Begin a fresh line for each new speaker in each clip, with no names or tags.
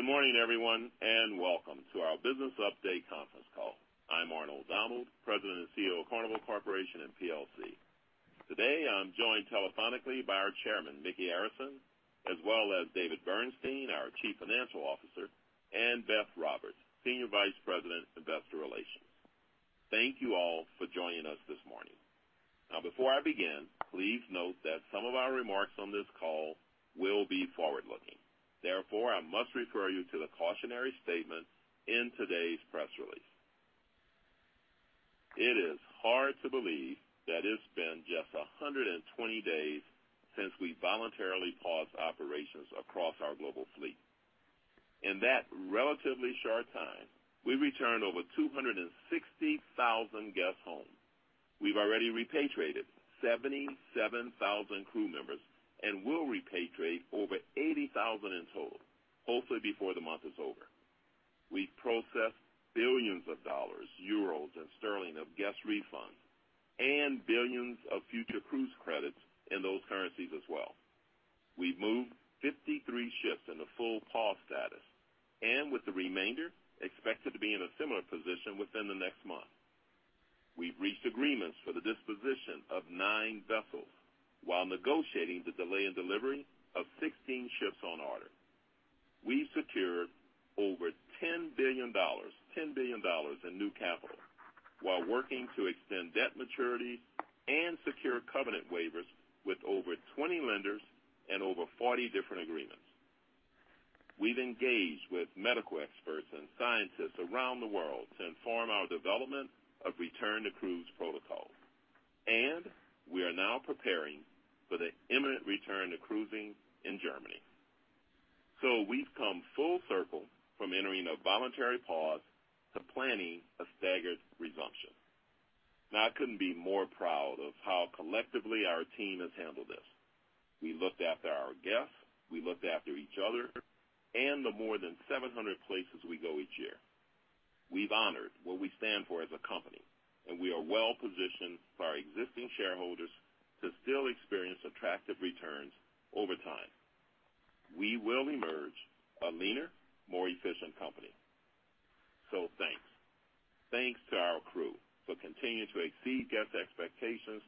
Good morning, everyone, and welcome to our business update conference call. I'm Arnold Donald, President and CEO of Carnival Corporation and plc. Today, I'm joined telephonically by our Chairman, Micky Arison, as well as David Bernstein, our Chief Financial Officer, and Beth Roberts, Senior Vice President, Investor Relations. Thank you all for joining us this morning. Before I begin, please note that some of our remarks on this call will be forward-looking. Therefore, I must refer you to the cautionary statement in today's press release. It is hard to believe that it's been just 120 days since we voluntarily paused operations across our global fleet. In that relatively short time, we returned over 260,000 guests home. We've already repatriated 77,000 crew members and will repatriate over 80,000 in total, hopefully before the month is over. We've processed billions of dollars, euros, and sterling of guest refunds and billions of future cruise credits in those currencies as well. We've moved 53 ships into full pause status, with the remainder expected to be in a similar position within the next month. We've reached agreements for the disposition of nine vessels while negotiating the delay in delivery of 16 ships on order. We secured over $10 billion in new capital while working to extend debt maturities and secure covenant waivers with over 20 lenders and over 40 different agreements. We've engaged with medical experts and scientists around the world to inform our development of return-to-cruise protocol, we are now preparing for the imminent return to cruising in Germany. We've come full circle from entering a voluntary pause to planning a staggered resumption. I couldn't be more proud of how collectively our team has handled this. We looked after our guests, we looked after each other, and the more than 700 places we go each year. We've honored what we stand for as a company, and we are well-positioned for our existing shareholders to still experience attractive returns over time. We will emerge a leaner, more efficient company. Thanks. Thanks to our crew for continuing to exceed guest expectations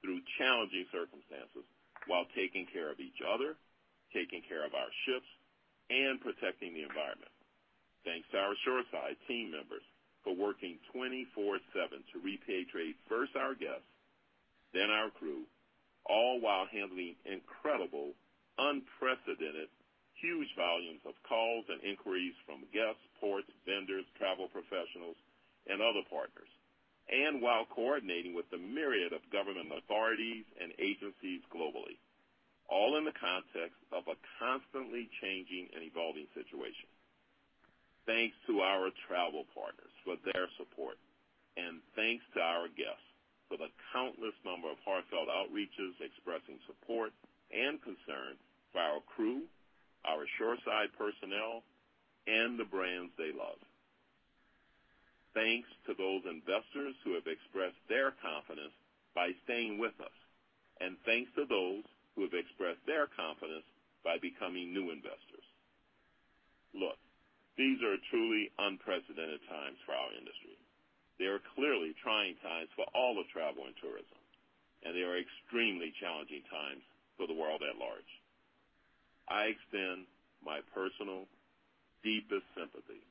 through challenging circumstances while taking care of each other, taking care of our ships, and protecting the environment. Thanks to our shoreside team members for working 24/7 to repatriate first our guests, then our crew, all while handling incredible, unprecedented, huge volumes of calls and inquiries from guests, ports, vendors, travel professionals, and other partners. While coordinating with the myriad of government authorities and agencies globally, all in the context of a constantly changing and evolving situation. Thanks to our travel partners for their support, and thanks to our guests for the countless number of heartfelt outreaches expressing support and concern for our crew, our shoreside personnel, and the brands they love. Thanks to those investors who have expressed their confidence by staying with us, and thanks to those who have expressed their confidence by becoming new investors. Look, these are truly unprecedented times for our industry. They are clearly trying times for all of travel and tourism, and they are extremely challenging times for the world at large. I extend my personal deepest sympathy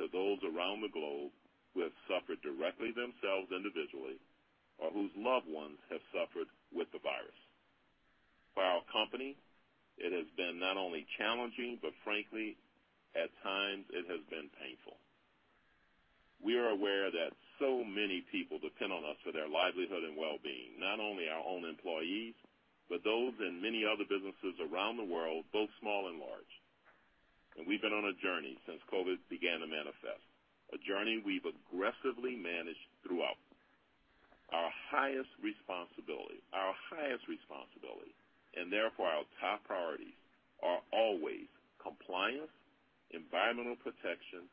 to those around the globe who have suffered directly themselves individually or whose loved ones have suffered with the virus. For our company, it has been not only challenging, but frankly, at times it has been painful. We are aware that so many people depend on us for their livelihood and well-being, not only our own employees, but those in many other businesses around the world, both small and large. We've been on a journey since COVID-19 began to manifest, a journey we've aggressively managed throughout. Our highest responsibility, and therefore our top priorities, are always compliance, environmental protection,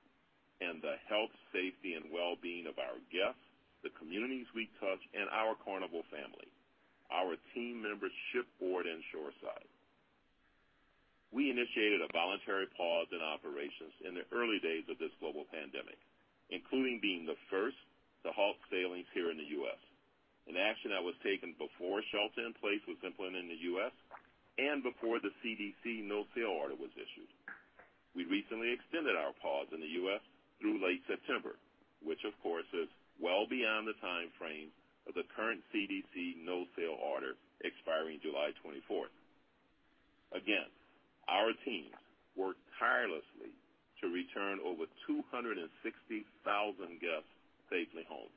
and the health, safety, and well-being of our guests, the communities we touch, and our Carnival family, our team members shipboard and shoreside. We initiated a voluntary pause in operations in the early days of this global pandemic, including being the first to halt sailings here in the U.S., an action that was taken before shelter-in-place was implemented in the U.S. and before the CDC no-sail order was issued. We recently extended our pause in the U.S. through late September, which of course is well beyond the timeframe of the current CDC no-sail order expiring July 24th. Our teams worked tirelessly to return over 260,000 guests safely home,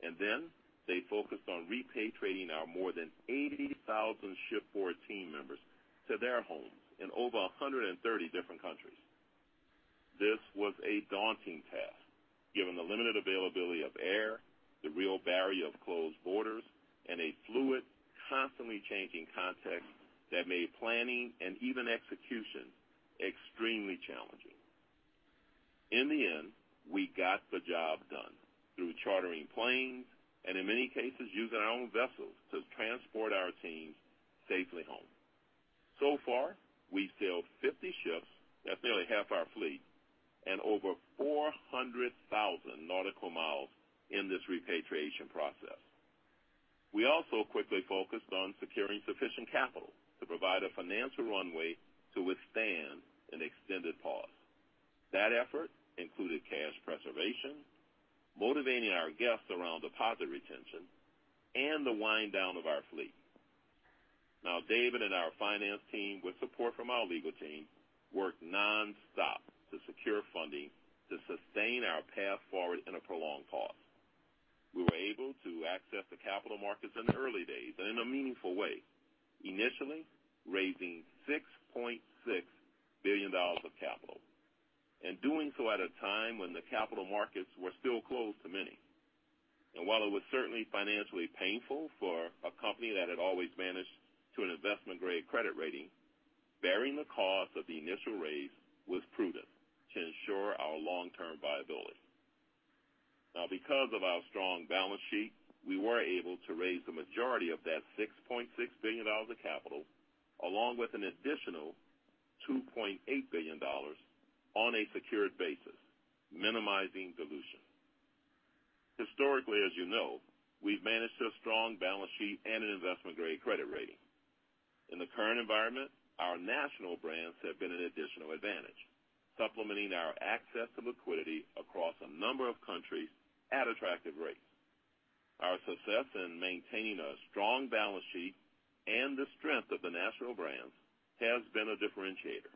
and then they focused on repatriating our more than 80,000 shipboard team members to their homes in over 130 different countries. This was a daunting task given the limited availability of air, the real barrier of closed borders, and a fluid, constantly changing context that made planning and even execution extremely challenging. In the end, we got the job done through chartering planes, and in many cases, using our own vessels to transport our teams safely home. So far, we sailed 50 ships, that's nearly half our fleet, and over 400,000 NM in this repatriation process. We also quickly focused on securing sufficient capital to provide a financial runway to withstand an extended pause. That effort included cash preservation, motivating our guests around deposit retention, and the wind down of our fleet. David and our finance team, with support from our legal team, worked non-stop to secure funding to sustain our path forward in a prolonged pause. We were able to access the capital markets in the early days and in a meaningful way, initially raising $6.6 billion of capital, and doing so at a time when the capital markets were still closed to many. While it was certainly financially painful for a company that had always managed to an investment-grade credit rating, bearing the cost of the initial raise was prudent to ensure our long-term viability. Now because of our strong balance sheet, we were able to raise the majority of that $6.6 billion of capital, along with an additional $2.8 billion on a secured basis, minimizing dilution. Historically, as you know, we've managed a strong balance sheet and an investment-grade credit rating. In the current environment, our national brands have been an additional advantage, supplementing our access to liquidity across a number of countries at attractive rates. Our success in maintaining a strong balance sheet and the strength of the national brands has been a differentiator,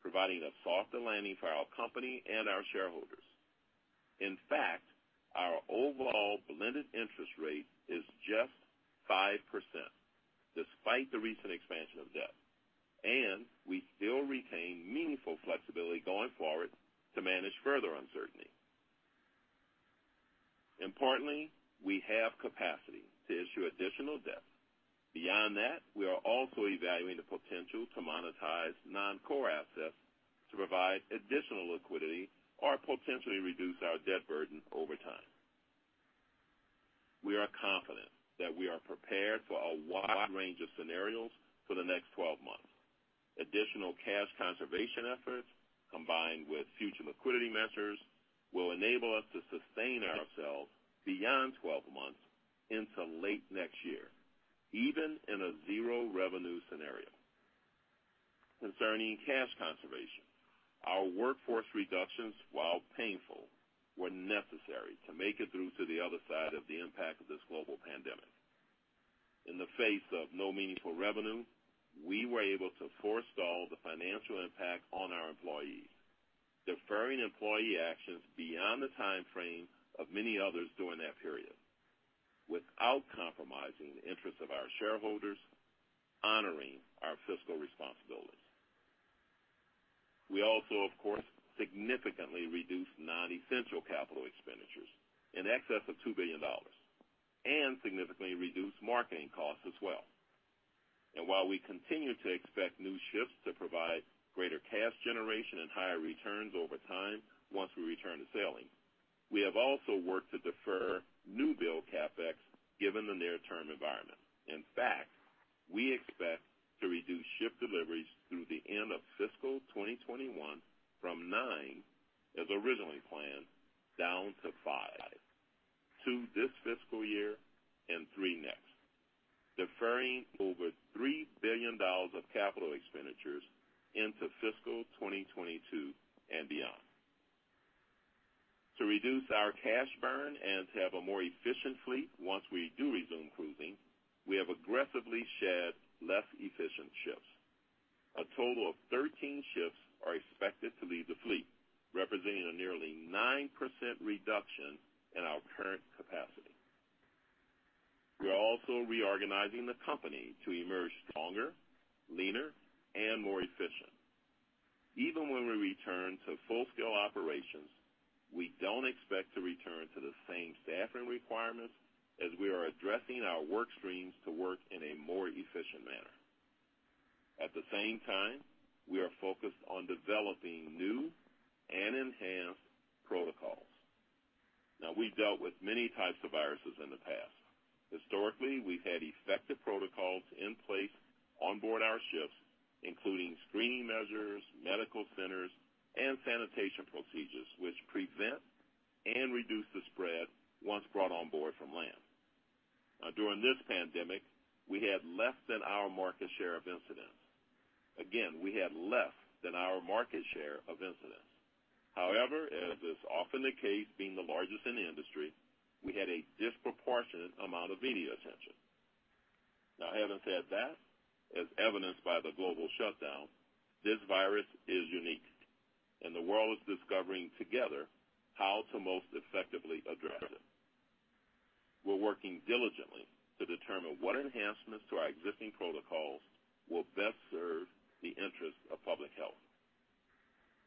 providing a softer landing for our company and our shareholders. In fact, our overall blended interest rate is just 5%, despite the recent expansion of debt, and we still retain meaningful flexibility going forward to manage further uncertainty. Importantly, we have capacity to issue additional debt. Beyond that, we are also evaluating the potential to monetize non-core assets to provide additional liquidity or potentially reduce our debt burden over time. We are confident that we are prepared for a wide range of scenarios for the next 12 months. Additional cash conservation efforts, combined with future liquidity measures, will enable us to sustain ourselves beyond 12 months into late next year, even in a zero-revenue scenario. Concerning cash conservation, our workforce reductions, while painful, were necessary to make it through to the other side of the impact of this global pandemic. In the face of no meaningful revenue, we were able to forestall the financial impact on our employees, deferring employee actions beyond the timeframe of many others during that period, without compromising the interests of our shareholders, honoring our fiscal responsibilities. We also, of course, significantly reduced non-essential capital expenditures in excess of $2 billion and significantly reduced marketing costs as well. While we continue to expect new ships to provide greater cash generation and higher returns over time once we return to sailing, we have also worked to defer new build CapEx, given the near-term environment. In fact, we expect to reduce ship deliveries through the end of fiscal 2021 from nine, as originally planned, down to five. Two this fiscal year and three next, deferring over $3 billion of capital expenditures into fiscal 2022 and beyond. To reduce our cash burn and to have a more efficient fleet once we do resume cruising, we have aggressively shed less efficient ships. A total of 13 ships are expected to leave the fleet, representing a nearly 9% reduction in our current capacity. We are also reorganizing the company to emerge stronger, leaner, and more efficient. Even when we return to full-scale operations, we don't expect to return to the same staffing requirements as we are addressing our work streams to work in a more efficient manner. At the same time, we are focused on developing new and enhanced protocols. We've dealt with many types of viruses in the past. Historically, we've had effective protocols in place on board our ships, including screening measures, medical centers, and sanitation procedures, which prevent and reduce the spread once brought on board from land. During this pandemic, we had less than our market share of incidents. Again, we had less than our market share of incidents. However, as is often the case, being the largest in the industry, we had a disproportionate amount of media attention. Having said that, as evidenced by the global shutdown, this virus is unique, and the world is discovering together how to most effectively address it. We're working diligently to determine what enhancements to our existing protocols will best serve the interests of public health.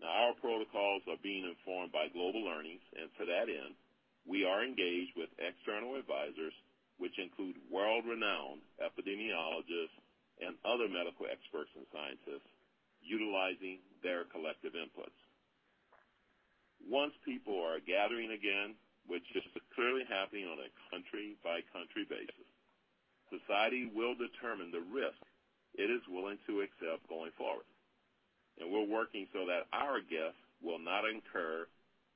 Our protocols are being informed by global learnings, and to that end, we are engaged with external advisors, which include world-renowned epidemiologists and other medical experts and scientists, utilizing their collective inputs. Once people are gathering again, which is clearly happening on a country-by-country basis, society will determine the risk it is willing to accept going forward, and we're working so that our guests will not incur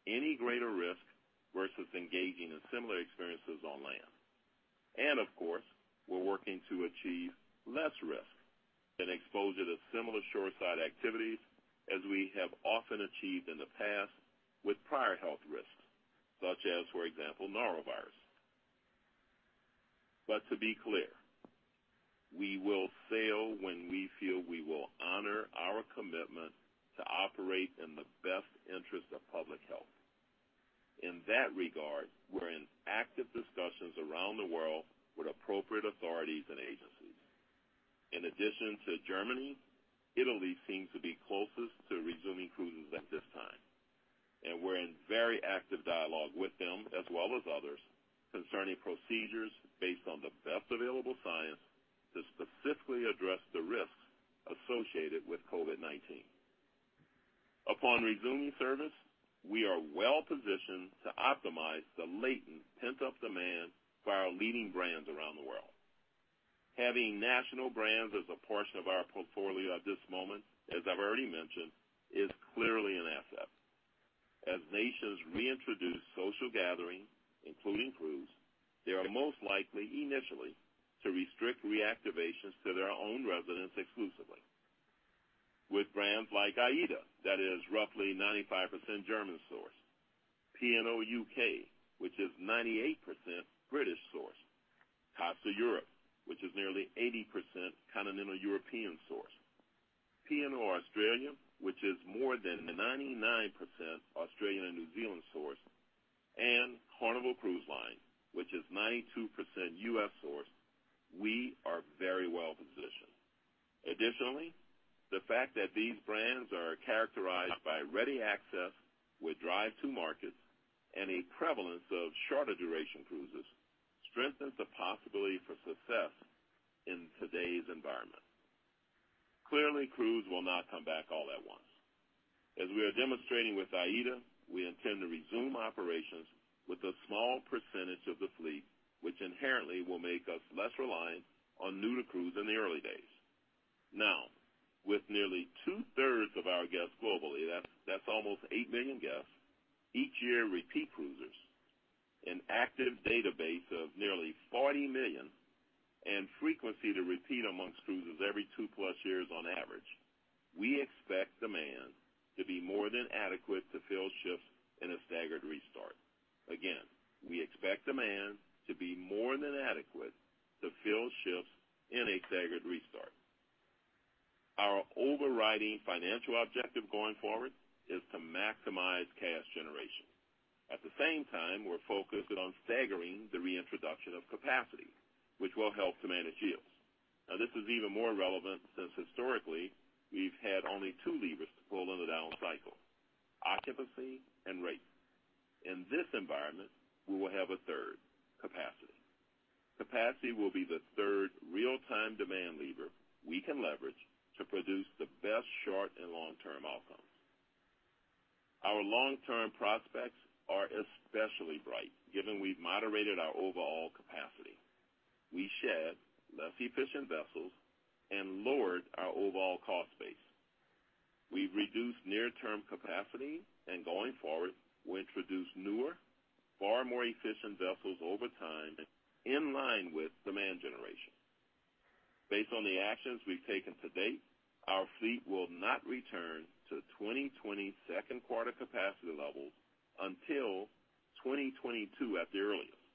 any greater risk versus engaging in similar experiences on land. Of course, we're working to achieve less risk than exposure to similar shoreside activities, as we have often achieved in the past with prior health risks, such as, for example, norovirus. To be clear, we will sail when we feel we will honor our commitment to operate in the best interest of public health. In that regard, we're in active discussions around the world with appropriate authorities and agencies. In addition to Germany, Italy seems to be closest to resuming cruises at this time, and we're in very active dialogue with them, as well as others, concerning procedures based on the best available science to specifically address the risks associated with COVID-19. Upon resuming service, we are well-positioned to optimize the latent pent-up demand for our leading brands around the world. Having national brands as a portion of our portfolio at this moment, as I've already mentioned, is clearly an asset. As nations reintroduce social gathering, including cruise, they are most likely, initially, to restrict reactivations to their own residents exclusively. With brands like AIDA, that is roughly 95% German-sourced, P&O U.K., which is 98% British-sourced, Costa Europe, which is nearly 80% continental European-sourced, P&O Australia, which is more than 99% Australian and New Zealand-sourced, and Carnival Cruise Line, which is 92% U.S.-sourced, we are very well-positioned. Additionally, the fact that these brands are characterized by ready access with drive-to markets and a prevalence of shorter-duration cruises strengthens the possibility for success in today's environment. Clearly, cruise will not come back all at once. As we are demonstrating with AIDA, we intend to resume operations with a small percentage of the fleet, which inherently will make us less reliant on new-to-cruise in the early days. Now, with nearly 2/3 of our guests globally, that's almost 8 million guests, each year repeat cruisers, an active database of nearly 40 million, and frequency to repeat amongst cruisers every two-plus years on average, we expect demand to be more than adequate to fill ships in a staggered restart. Again, we expect demand to be more than adequate to fill shifts in a staggered restart. Our overriding financial objective going forward is to maximize cash generation. At the same time, we're focused on staggering the reintroduction of capacity, which will help to manage yields. Now, this is even more relevant since historically we've had only two levers to pull in the down cycle, occupancy and rate. In this environment, we will have a third, capacity. Capacity will be the third real-time demand lever we can leverage to produce the best short- and long-term outcomes. Our long-term prospects are especially bright given we've moderated our overall capacity. We shed less efficient vessels and lowered our overall cost base. We've reduced near-term capacity, and going forward, we'll introduce newer, far more efficient vessels over time in line with demand generation. Based on the actions we've taken to date, our fleet will not return to 2020 second quarter capacity levels until 2022 at the earliest,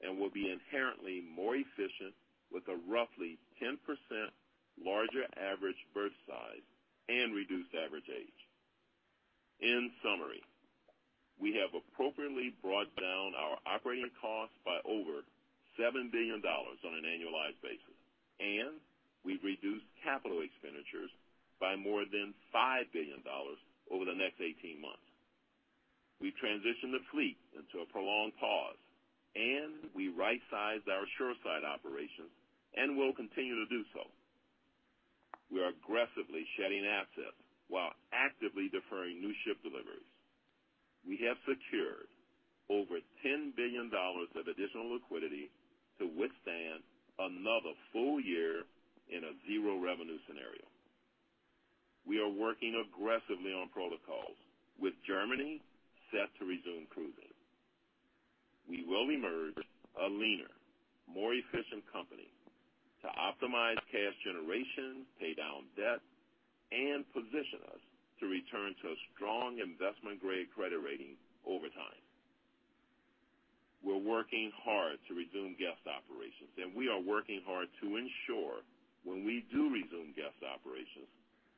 and will be inherently more efficient with a roughly 10% larger average berth size and reduced average age. In summary, we have appropriately brought down our operating costs by over $7 billion on an annualized basis, and we've reduced capital expenditures by more than $5 billion over the next 18 months. We've transitioned the fleet into a prolonged pause, and we right-sized our shoreside operations and will continue to do so. We are aggressively shedding assets while actively deferring new ship deliveries. We have secured over $10 billion of additional liquidity to withstand another full year in a zero-revenue scenario. We are working aggressively on protocols with Germany set to resume cruising. We will emerge a leaner, more efficient company to optimize cash generation, pay down debt, and position us to return to a strong investment-grade credit rating over time. We're working hard to resume guest operations, and we are working hard to ensure when we do resume guest operations,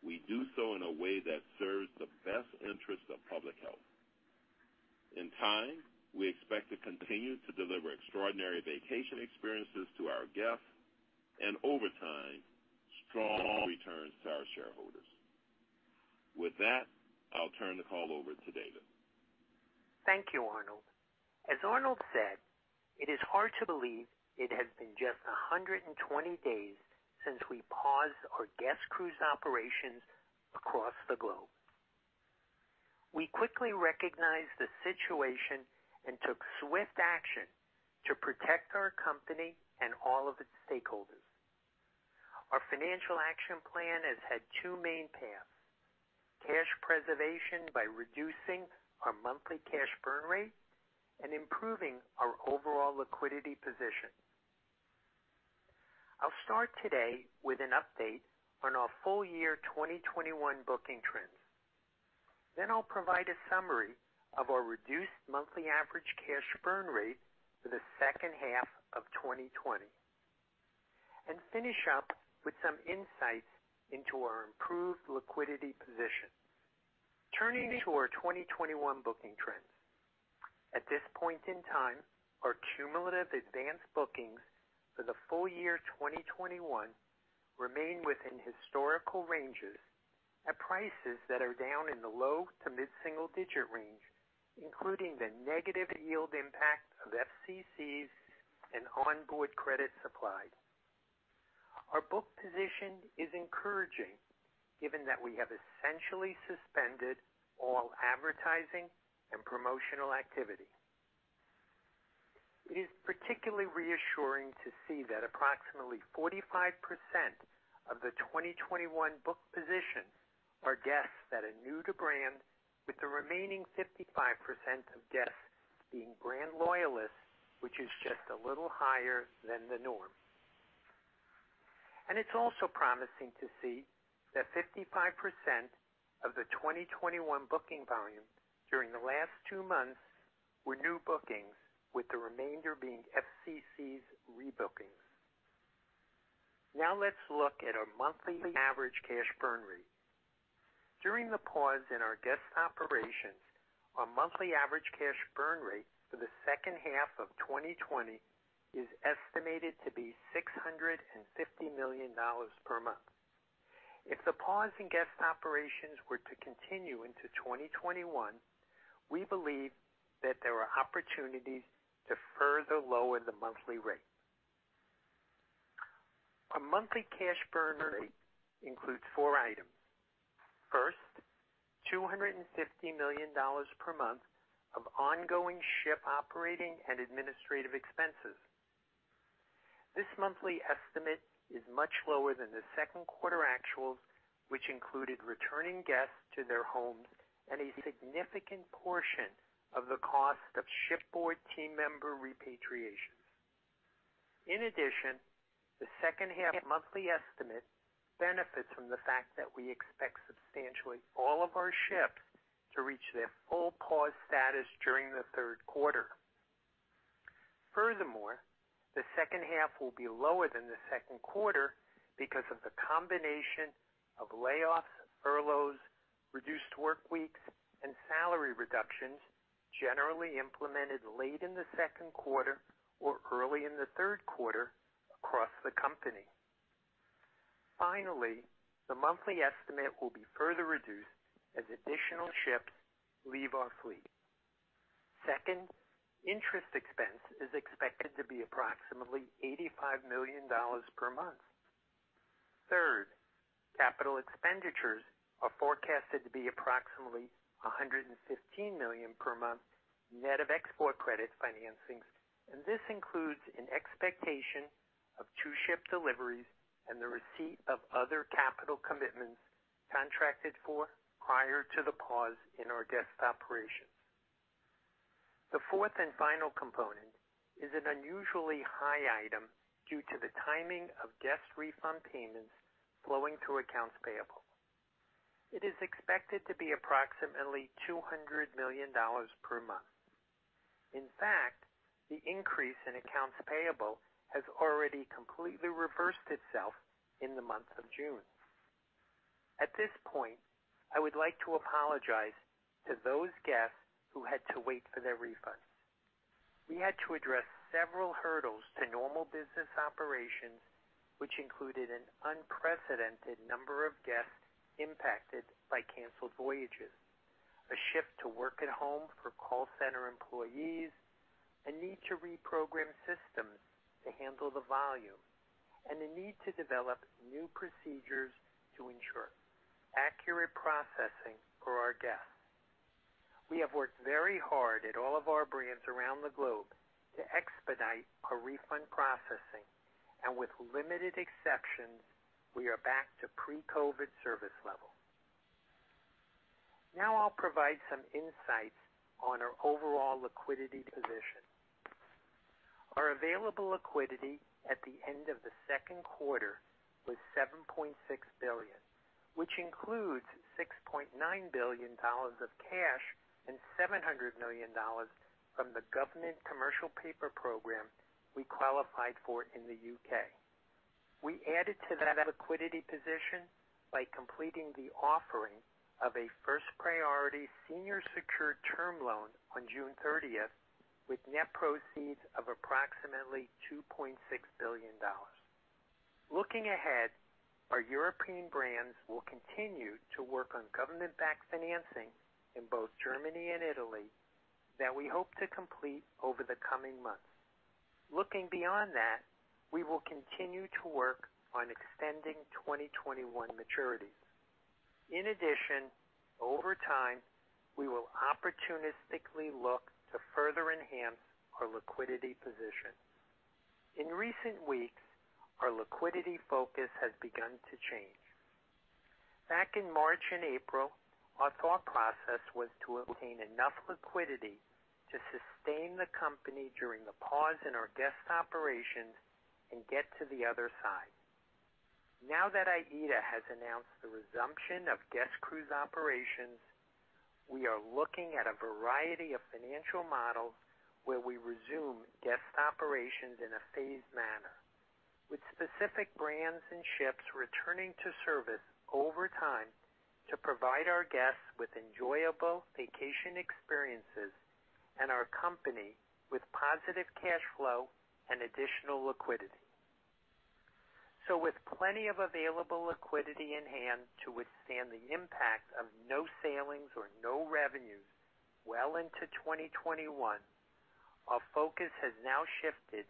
we do so in a way that serves the best interest of public health. In time, we expect to continue to deliver extraordinary vacation experiences to our guests, and over time, strong returns to our shareholders. With that, I'll turn the call over to David.
Thank you, Arnold. As Arnold said, it is hard to believe it has been just 120 days since we paused our guest cruise operations across the globe. We quickly recognized the situation and took swift action to protect our company and all of its stakeholders. Our financial action plan has had two main paths, cash preservation by reducing our monthly cash burn rate and improving our overall liquidity position. I'll start today with an update on our full year 2021 booking trends. I'll provide a summary of our reduced monthly average cash burn rate for the second half of 2020, and finish up with some insights into our improved liquidity position. Turning to our 2021 booking trends. At this point in time, our cumulative advanced bookings for the full year 2021 remain within historical ranges at prices that are down in the low-to-mid single-digit range, including the negative yield impact of FCCs and onboard credit supplied. Our book position is encouraging, given that we have essentially suspended all advertising and promotional activity. It is particularly reassuring to see that approximately 45% of the 2021 book position are guests that are new to brand, with the remaining 55% of guests being brand loyalists, which is just a little higher than the norm. It's also promising to see that 55% of the 2021 booking volume during the last two months were new bookings, with the remainder being FCCs rebookings. Let's look at our monthly average cash burn rate. During the pause in our guest operations, our monthly average cash burn rate for the second half of 2020 is estimated to be $650 million per month. If the pause in guest operations were to continue into 2021, we believe that there are opportunities to further lower the monthly rate. Our monthly cash burn rate includes four items. First, $250 million per month of ongoing ship operating and administrative expenses. This monthly estimate is much lower than the second quarter actuals, which included returning guests to their homes and a significant portion of the cost of shipboard team member repatriations. In addition, the second half monthly estimate benefits from the fact that we expect substantially all of our ships to reach their full pause status during the third quarter. Furthermore, the second half will be lower than the second quarter because of the combination of layoffs, furloughs, reduced work weeks, and salary reductions generally implemented late in the second quarter or early in the third quarter across the company. Finally, the monthly estimate will be further reduced as additional ships leave our fleet. Second, interest expense is expected to be approximately $85 million per month. Third, capital expenditures are forecasted to be approximately $115 million per month, net of export credit financings, and this includes an expectation of two ship deliveries and the receipt of other capital commitments contracted for prior to the pause in our guest operations. The fourth and final component is an unusually high item due to the timing of guest refund payments flowing through accounts payable. It is expected to be approximately $200 million per month. In fact, the increase in accounts payable has already completely reversed itself in the month of June. At this point, I would like to apologize to those guests who had to wait for their refunds. We had to address several hurdles to normal business operations, which included an unprecedented number of guests impacted by canceled voyages, a shift to work at home for call center employees, a need to reprogram systems to handle the volume, and a need to develop new procedures to ensure accurate processing for our guests. We have worked very hard at all of our brands around the globe to expedite our refund processing, and with limited exceptions, we are back to pre-COVID service level. I'll provide some insights on our overall liquidity position. Our available liquidity at the end of the second quarter was $7.6 billion, which includes $6.9 billion of cash and $700 million from the government commercial paper program we qualified for in the U.K. We added to that liquidity position by completing the offering of a first priority senior secured term loan on June 30th, with net proceeds of approximately $2.6 billion. Looking ahead, our European brands will continue to work on government-backed financing in both Germany and Italy that we hope to complete over the coming months. Looking beyond that, we will continue to work on extending 2021 maturities. In addition, over time, we will opportunistically look to further enhance our liquidity position. In recent weeks, our liquidity focus has begun to change. Back in March and April, our thought process was to obtain enough liquidity to sustain the company during the pause in our guest operations and get to the other side. Now that AIDA has announced the resumption of guest cruise operations, we are looking at a variety of financial models where we resume guest operations in a phased manner, with specific brands and ships returning to service over time to provide our guests with enjoyable vacation experiences and our company with positive cash flow and additional liquidity. With plenty of available liquidity in hand to withstand the impact of no sailings or no revenues well into 2021, our focus has now shifted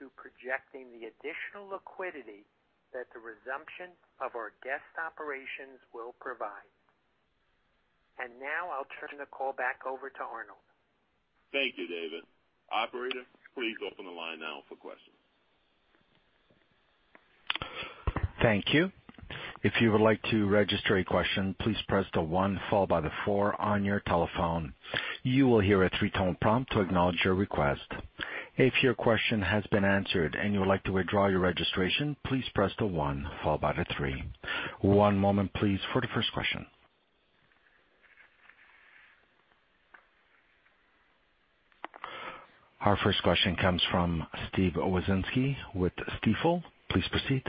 to projecting the additional liquidity that the resumption of our guest operations will provide. Now I'll turn the call back over to Arnold.
Thank you, David. Operator, please open the line now for questions.
Thank you. If you would like to register a question, please press the one followed by the four on your telephone. You will hear a three-tone prompt to acknowledge your request. If your question has been answered and you would like to withdraw your registration, please press the one followed by the three. One moment, please, for the first question. Our first question comes from Steve Wieczynski with Stifel. Please proceed.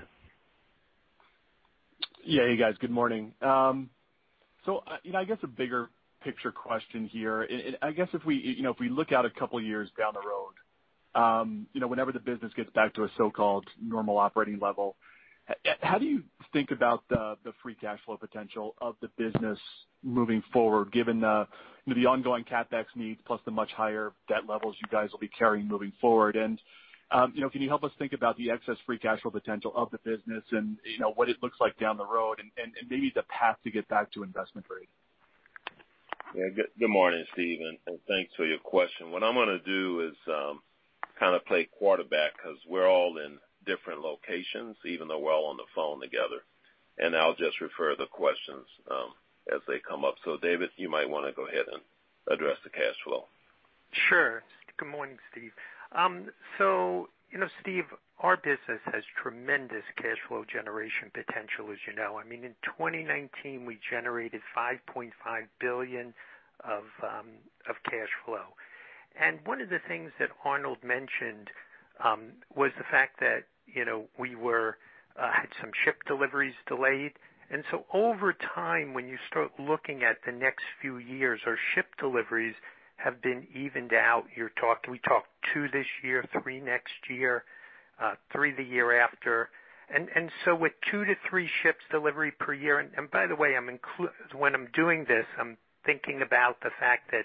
Yeah, you guys. Good morning. I guess a bigger picture question here, I guess if we look out a couple years down the road, whenever the business gets back to a so-called normal operating level, how do you think about the free cash flow potential of the business moving forward, given the ongoing CapEx needs plus the much higher debt levels you guys will be carrying moving forward? Can you help us think about the excess free cash flow potential of the business and what it looks like down the road and maybe the path to get back to investment grade?
Yeah. Good morning, Steve, and thanks for your question. What I'm going to do is kind of play quarterback because we're all in different locations, even though we're all on the phone together, and I'll just refer the questions as they come up. David, you might want to go ahead and address the cash flow.
Sure. Good morning, Steve. Steve, our business has tremendous cash flow generation potential, as you know. I mean, in 2019, we generated $5.5 billion of cash flow. One of the things that Arnold mentioned was the fact that we had some ship deliveries delayed. Over time, when you start looking at the next few years, our ship deliveries have been evened out. We talked two this year, three next year, three the year after. With two to three ships delivery per year, and by the way, when I'm doing this, I'm thinking about the fact that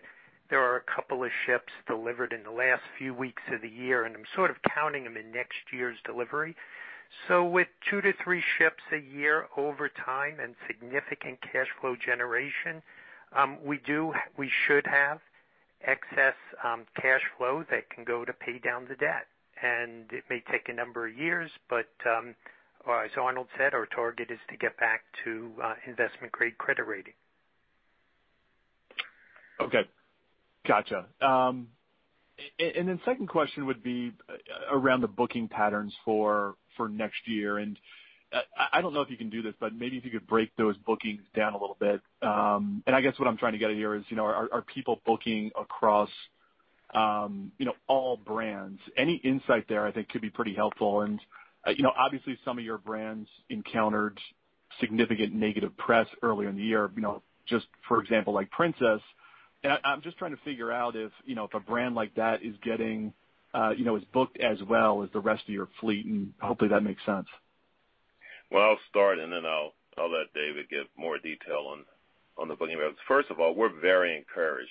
there are a couple of ships delivered in the last few weeks of the year, and I'm sort of counting them in next year's delivery. With two to three ships a year over time and significant cash flow generation, we should have excess cash flow that can go to pay down the debt. It may take a number of years, but as Arnold said, our target is to get back to investment-grade credit rating.
Okay. Got you. Second question would be around the booking patterns for next year. I don't know if you can do this, but maybe if you could break those bookings down a little bit. I guess what I'm trying to get at here is, are people booking across all brands? Any insight there I think could be pretty helpful. Obviously, some of your brands encountered significant negative press earlier in the year, just for example, like Princess. I'm just trying to figure out if a brand like that is booked as well as the rest of your fleet, and hopefully that makes sense.
I'll start, and then I'll let David give more detail on the booking. First of all, we're very encouraged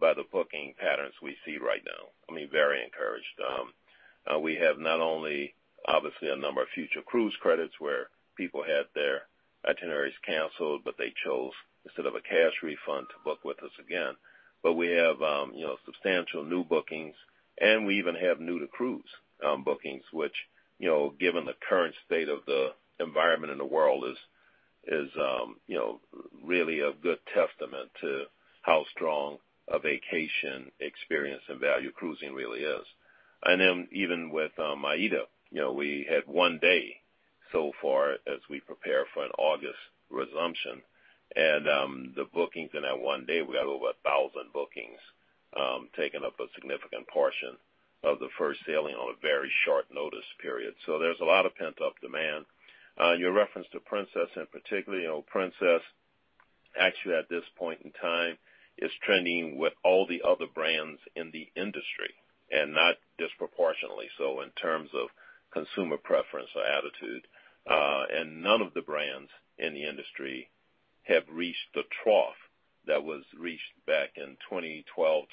by the booking patterns we see right now. I mean, very encouraged. We have not only, obviously, a number of future cruise credits where people had their itineraries canceled, but they chose, instead of a cash refund, to book with us again. We have substantial new bookings, and we even have new-to-cruise bookings, which, given the current state of the environment in the world is really a good testament to how strong a vacation experience and value cruising really is. Even with AIDA, we had one day so far as we prepare for an August resumption, and the bookings in that one day, we have over 1,000 bookings, taking up a significant portion of the first sailing on a very short notice period. There's a lot of pent-up demand. Your reference to Princess, and particularly Princess, actually, at this point in time, is trending with all the other brands in the industry, not disproportionately so in terms of consumer preference or attitude. None of the brands in the industry have reached the trough that was reached back in 2012,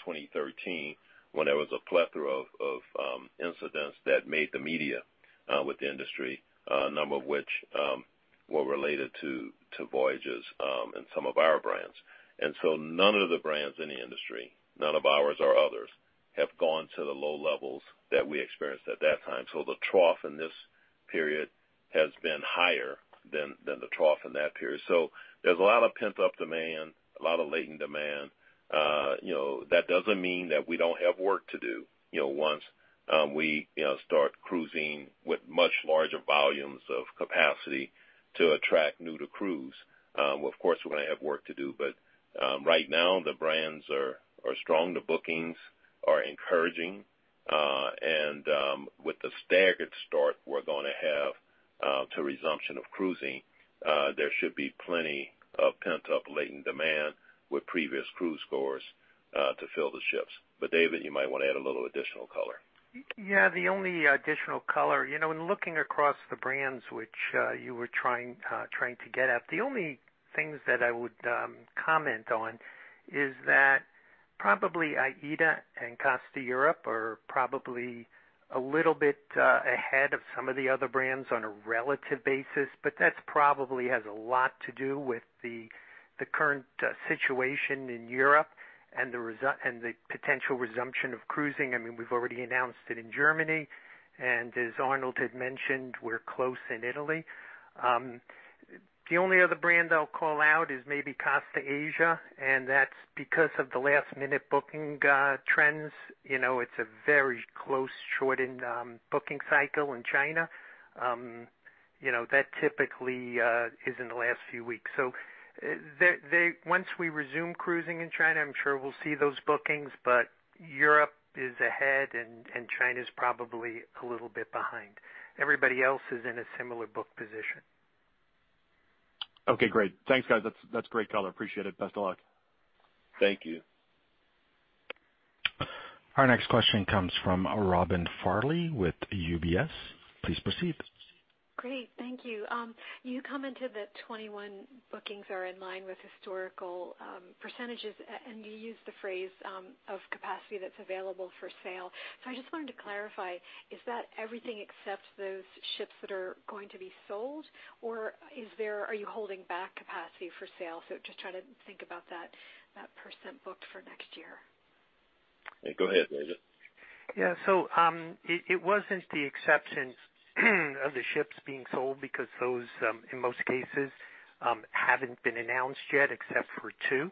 2013, when there was a plethora of incidents that made the media with the industry, a number of which were related to voyages in some of our brands. None of the brands in the industry, none of ours or others, have gone to the low levels that we experienced at that time. The trough in this period has been higher than the trough in that period. There's a lot of pent-up demand, a lot of latent demand. That doesn't mean that we don't have work to do. Once we start cruising with much larger volumes of capacity to attract new-to-cruise, of course, we're going to have work to do. Right now, the brands are strong, the bookings are encouraging, and with the staggered start we're going to have to resumption of cruising, there should be plenty of pent-up latent demand with previous cruise goers to fill the ships. David, you might want to add a little additional color.
The only additional color. In looking across the brands which you were trying to get at, the only things that I would comment on is that probably AIDA and Costa Europe are probably a little bit ahead of some of the other brands on a relative basis. That probably has a lot to do with the current situation in Europe and the potential resumption of cruising. We've already announced it in Germany, as Arnold had mentioned, we're close in Italy. The only other brand I'll call out is maybe Costa Asia, that's because of the last-minute booking trends. It's a very close, shortened booking cycle in China. That typically is in the last few weeks. Once we resume cruising in China, I'm sure we'll see those bookings, Europe is ahead and China is probably a little bit behind. Everybody else is in a similar book position.
Okay, great. Thanks, guys. That's great color. Appreciate it. Best of luck.
Thank you.
Our next question comes from Robin Farley with UBS. Please proceed.
Great. Thank you. You commented that 2021 bookings are in line with historical percentages, and you used the phrase of capacity that's available for sale. I just wanted to clarify, is that everything except those ships that are going to be sold, or are you holding back capacity for sale? Just trying to think about that percent booked for next year.
Go ahead, David.
Yeah. It wasn't the exception of the ships being sold because those, in most cases, haven't been announced yet, except for two.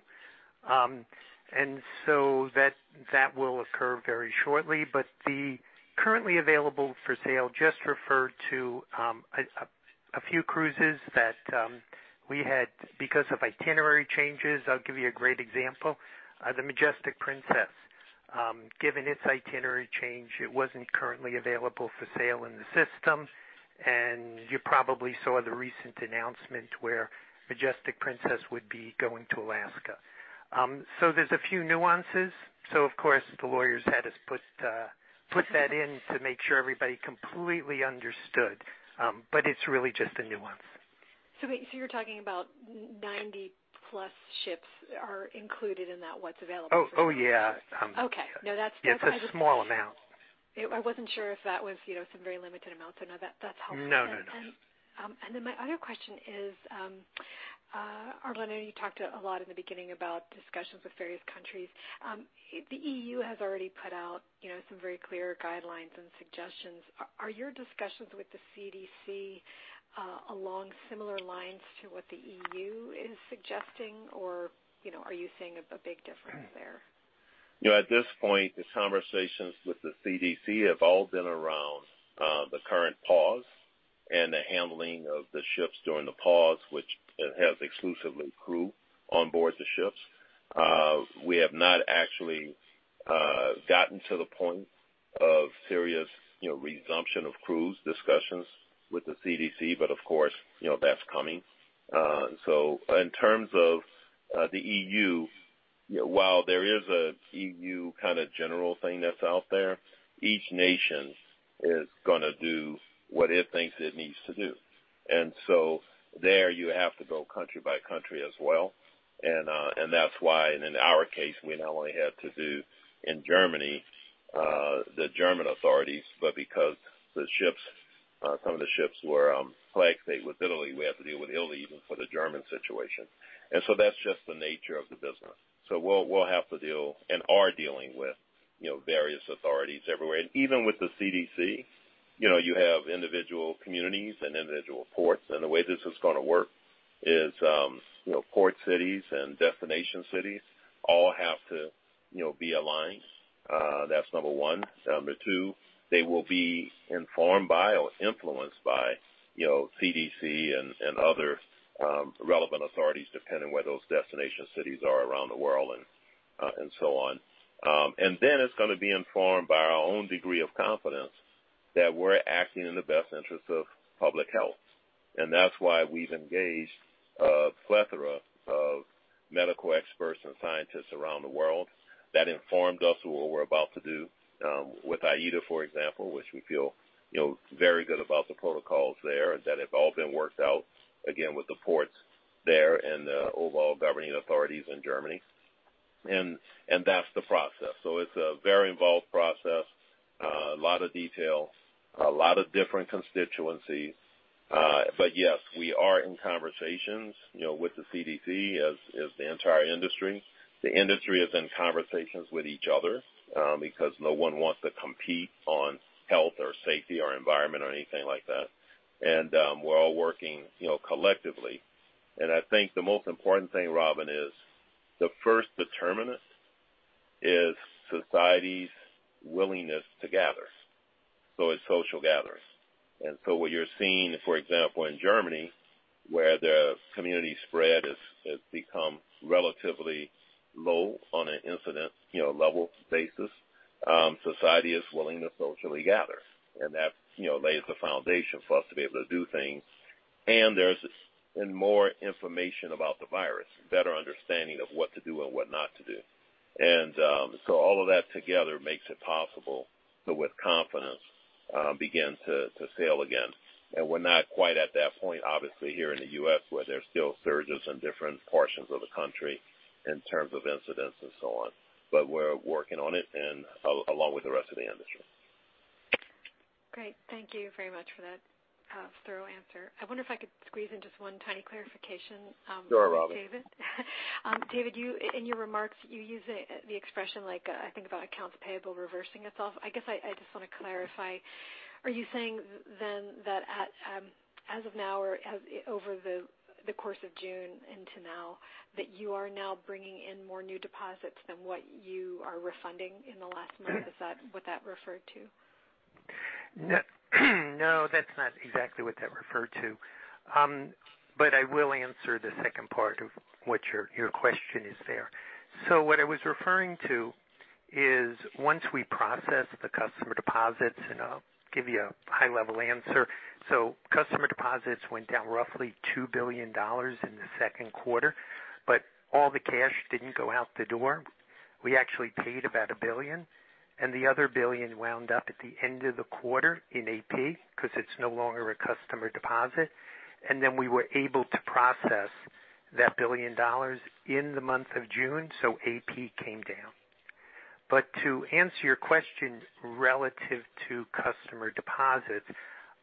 That will occur very shortly. The currently available for sale just referred to a few cruises that we had because of itinerary changes. I'll give you a great example. The Majestic Princess. Given its itinerary change, it wasn't currently available for sale in the system, and you probably saw the recent announcement where Majestic Princess would be going to Alaska. There's a few nuances. Of course, the lawyers had us put that in to make sure everybody completely understood. It's really just a nuance.
Wait, you're talking about 90+ ships are included in that what's available?
Oh, yeah.
Okay. No.
It's a small amount.
I wasn't sure if that was some very limited amount, so now that's helpful.
No.
My other question is, Arnold, I know you talked a lot in the beginning about discussions with various countries. The E.U. has already put out some very clear guidelines and suggestions. Are your discussions with the CDC along similar lines to what the E.U. is suggesting, or are you seeing a big difference there?
At this point, the conversations with the CDC have all been around the current pause and the handling of the ships during the pause, which has exclusively crew on board the ships. We have not actually gotten to the point of serious resumption of cruise discussions with the CDC, but of course, that's coming. In terms of the E.U., while there is an E.U. general thing that's out there, each nation is going to do what it thinks it needs to do. There you have to go country by country as well. That's why in our case, we not only had to do in Germany, the German authorities, but because some of the ships were flag state with Italy, we have to deal with Italy even for the German situation. That's just the nature of the business. We'll have to deal and are dealing with various authorities everywhere. Even with the CDC, you have individual communities and individual ports, and the way this is going to work is port cities and destination cities all have to be aligned. That's number one. Number two, they will be informed by or influenced by CDC and other relevant authorities, depending where those destination cities are around the world, and so on. Then it's going to be informed by our own degree of confidence that we're acting in the best interest of public health. That's why we've engaged a plethora of medical experts and scientists around the world that informed us what we're about to do, with AIDA, for example, which we feel very good about the protocols there and that have all been worked out, again, with the ports there and the overall governing authorities in Germany. That's the process. It's a very involved process, a lot of detail, a lot of different constituencies. Yes, we are in conversations with the CDC, as the entire industry. The industry is in conversations with each other, because no one wants to compete on health or safety or environment or anything like that. We're all working collectively. I think the most important thing, Robin, is the first determinant is society's willingness to gather. It's social gathers. What you're seeing, for example, in Germany, where the community spread has become relatively low on an incident level basis, society is willing to socially gather. That lays the foundation for us to be able to do things. There's been more information about the virus, better understanding of what to do and what not to do. All of that together makes it possible to, with confidence, begin to sail again. We're not quite at that point, obviously, here in the U.S., where there's still surges in different portions of the country in terms of incidents and so on. We're working on it and along with the rest of the industry.
Great. Thank you very much for that thorough answer. I wonder if I could squeeze in just one tiny clarification?
Sure, Robin.
David, in your remarks, you used the expression like, I think about accounts payable reversing itself. I guess I just want to clarify, are you saying then that as of now or over the course of June into now, that you are now bringing in more new deposits than what you are refunding in the last month? Is that what that referred to?
No, that's not exactly what that referred to. I will answer the second part of what your question is there. What I was referring to is once we process the customer deposits, and I'll give you a high-level answer. Customer deposits went down roughly $2 billion in the second quarter, but all the cash didn't go out the door. We actually paid about $1 billion, and the other $1 billion wound up at the end of the quarter in AP because it's no longer a customer deposit. Then we were able to process that $1 billion in the month of June, so AP came down. To answer your question relative to customer deposits,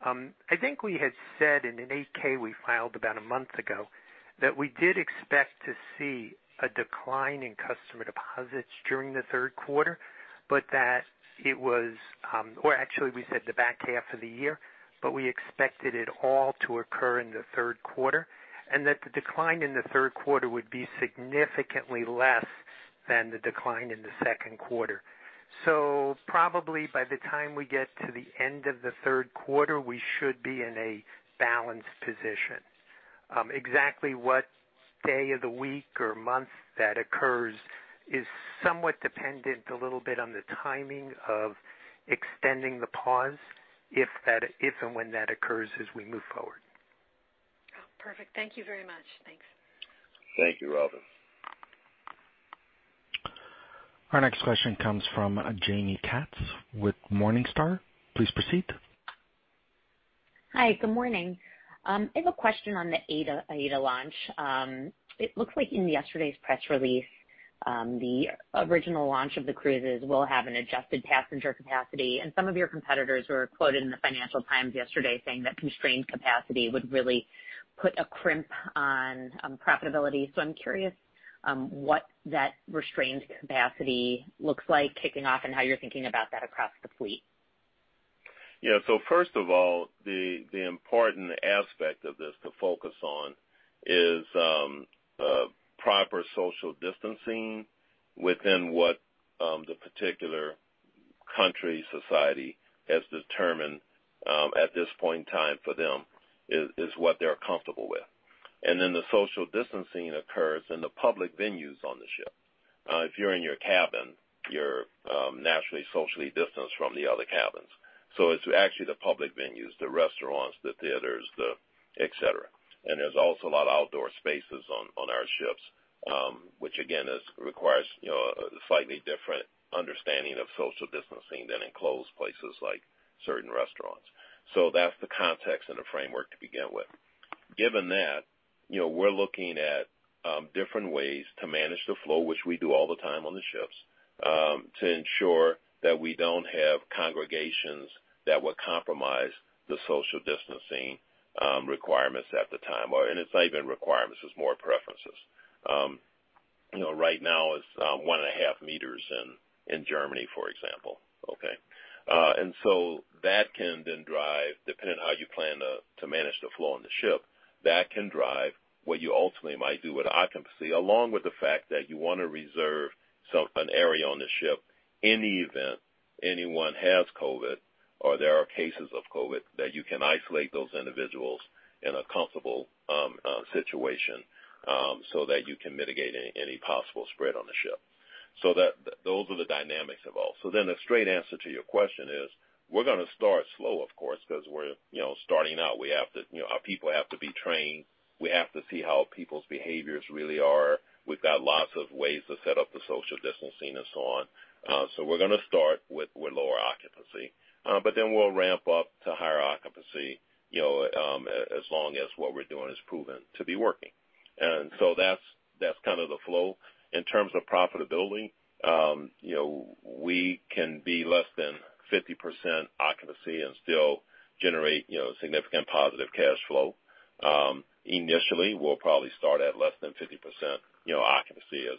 I think we had said in an 8-K we filed about a month ago that we did expect to see a decline in customer deposits during the third quarter, but that actually we said the back half of the year, but we expected it all to occur in the third quarter, and that the decline in the third quarter would be significantly less than the decline in the second quarter. Probably by the time we get to the end of the third quarter, we should be in a balanced position. Exactly what day of the week or month that occurs is somewhat dependent a little bit on the timing of extending the pause, if and when that occurs as we move forward.
Oh, perfect. Thank you very much. Thanks.
Thank you, Robin.
Our next question comes from Jaime Katz with Morningstar. Please proceed.
Hi, good morning. I have a question on the AIDA launch. It looks like in yesterday's press release, the original launch of the cruises will have an adjusted passenger capacity. Some of your competitors were quoted in the Financial Times yesterday saying that constrained capacity would really put a crimp on profitability. I'm curious what that restrained capacity looks like kicking off and how you're thinking about that across the fleet.
Yeah. First of all, the important aspect of this to focus on is proper social distancing within what the particular country society has determined at this point in time for them is what they're comfortable with. The social distancing occurs in the public venues on the ship. If you're in your cabin, you're naturally socially distanced from the other cabins. It's actually the public venues, the restaurants, the theaters, et cetera. There's also a lot of outdoor spaces on our ships, which again, requires a slightly different understanding of social distancing than enclosed places like certain restaurants. That's the context and the framework to begin with. Given that, we're looking at different ways to manage the flow, which we do all the time on the ships, to ensure that we don't have congregations that would compromise the social distancing requirements at the time. It's not even requirements, it's more preferences. Right now it's 1.50 m in Germany, for example, okay? That can then drive, depending on how you plan to manage the flow on the ship, that can drive what you ultimately might do with occupancy, along with the fact that you want to reserve an area on the ship in the event anyone has COVID-19 or there are cases of COVID-19, that you can isolate those individuals in a comfortable situation so that you can mitigate any possible spread on the ship. Those are the dynamics involved. The straight answer to your question is we're going to start slow, of course, because we're starting out. Our people have to be trained. We have to see how people's behaviors really are. We've got lots of ways to set up the social distancing and so on. We're going to start with lower occupancy. We'll ramp up to higher occupancy, as long as what we're doing is proven to be working. That's the flow. In terms of profitability, we can be less than 50% occupancy and still generate significant positive cash flow. Initially, we'll probably start at less than 50% occupancy as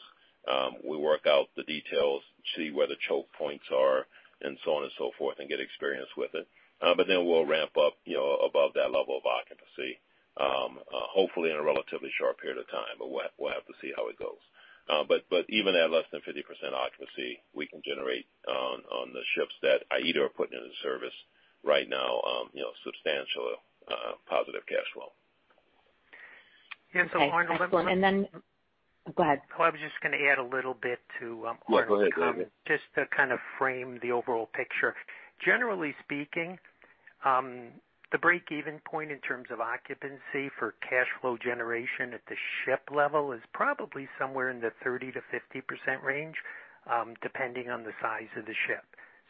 we work out the details, see where the choke points are, and so on and so forth, and get experience with it. We'll ramp up above that level of occupancy, hopefully in a relatively short period of time, but we'll have to see how it goes. Even at less than 50% occupancy, we can generate on the ships that AIDA are putting into service right now, substantial positive cash flow.
Okay, excellent. Go ahead.
Oh, I was just going to add a little bit to Arnold.
Yeah, go ahead, David.
just to frame the overall picture. Generally speaking, the break-even point in terms of occupancy for cash flow generation at the ship level is probably somewhere in the 30%-50% range, depending on the size of the ship.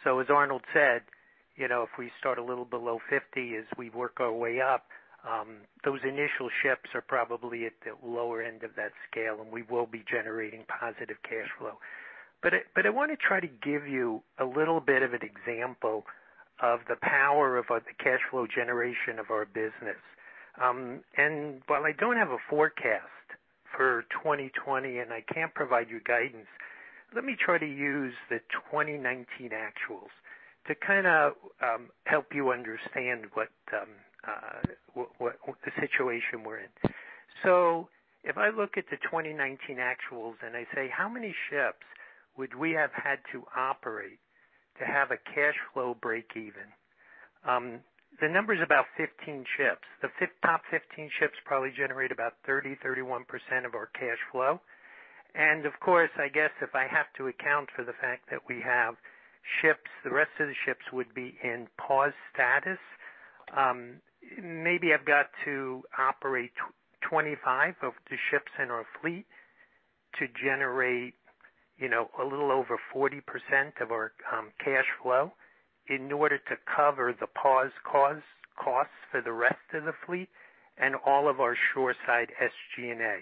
As Arnold said, if we start a little below 50% as we work our way up, those initial ships are probably at the lower end of that scale, and we will be generating positive cash flow. I want to try to give you a little bit of an example of the power of the cash flow generation of our business. While I don't have a forecast for 2020, and I can't provide you guidance, let me try to use the 2019 actuals to help you understand the situation we're in. If I look at the 2019 actuals and I say, how many ships would we have had to operate to have a cash flow break even? The number is about 15 ships. The top 15 ships probably generate about 30%, 31% of our cash flow. Of course, I guess if I have to account for the fact that we have ships, the rest of the ships would be in pause status. Maybe I've got to operate 25 of the ships in our fleet to generate a little over 40% of our cash flow in order to cover the pause costs for the rest of the fleet and all of our shoreside SG&A.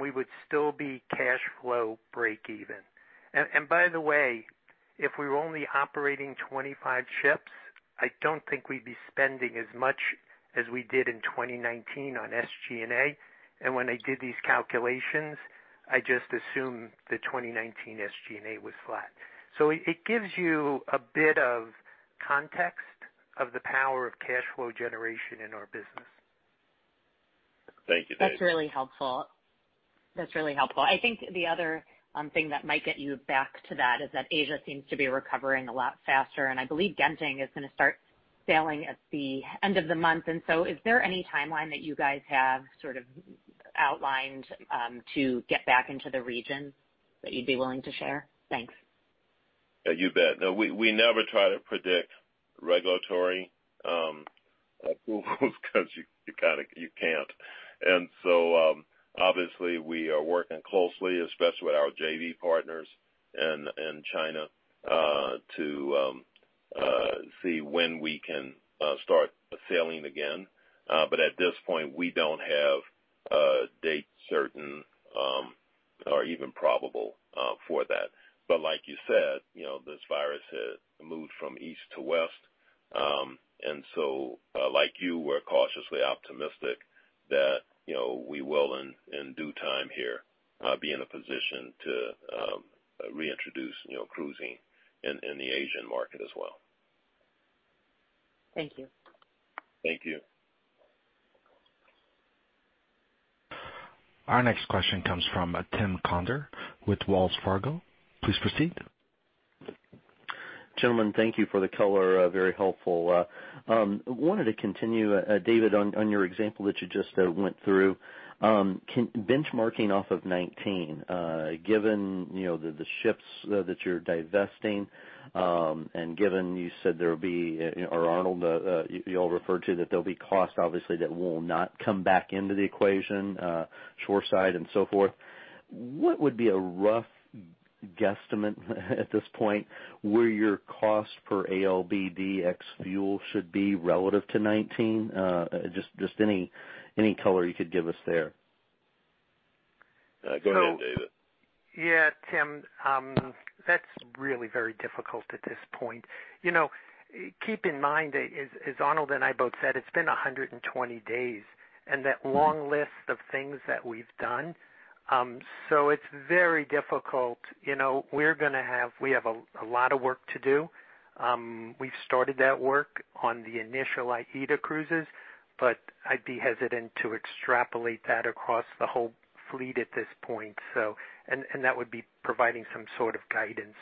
We would still be cash flow break even. By the way, if we were only operating 25 ships, I don't think we'd be spending as much as we did in 2019 on SG&A. When I did these calculations, I just assumed the 2019 SG&A was flat. It gives you a bit of context of the power of cash flow generation in our business.
Thank you, David.
That's really helpful. I think the other thing that might get you back to that is that Asia seems to be recovering a lot faster, and I believe Genting is going to start sailing at the end of the month. Is there any timeline that you guys have outlined to get back into the region that you'd be willing to share? Thanks.
Yeah, you bet. No, we never try to predict regulatory approvals because you can't. Obviously, we are working closely, especially with our JV partners in China, to see when we can start sailing again. At this point, we don't have a date certain or even probable for that. Like you said, this virus has moved from east to west. Like you, we're cautiously optimistic that we will, in due time here, be in a position to reintroduce cruising in the Asian market as well.
Thank you.
Thank you.
Our next question comes from Tim Conder with Wells Fargo. Please proceed.
Gentlemen, thank you for the color, very helpful. I wanted to continue, David, on your example that you just went through. Can benchmarking off of 2019, given the ships that you're divesting, and given you said there'll be, or Arnold, you all referred to that there'll be cost obviously that will not come back into the equation shoreside and so forth. What would be a rough guesstimate at this point where your cost per ALBD ex-fuel should be relative to 2019? Just any color you could give us there.
Go ahead, David.
Yeah, Tim. That's really very difficult at this point. Keep in mind, as Arnold and I both said, it's been 120 days, and that long list of things that we've done. It's very difficult. We have a lot of work to do. We've started that work on the initial AIDA Cruises, but I'd be hesitant to extrapolate that across the whole fleet at this point, and that would be providing some sort of guidance.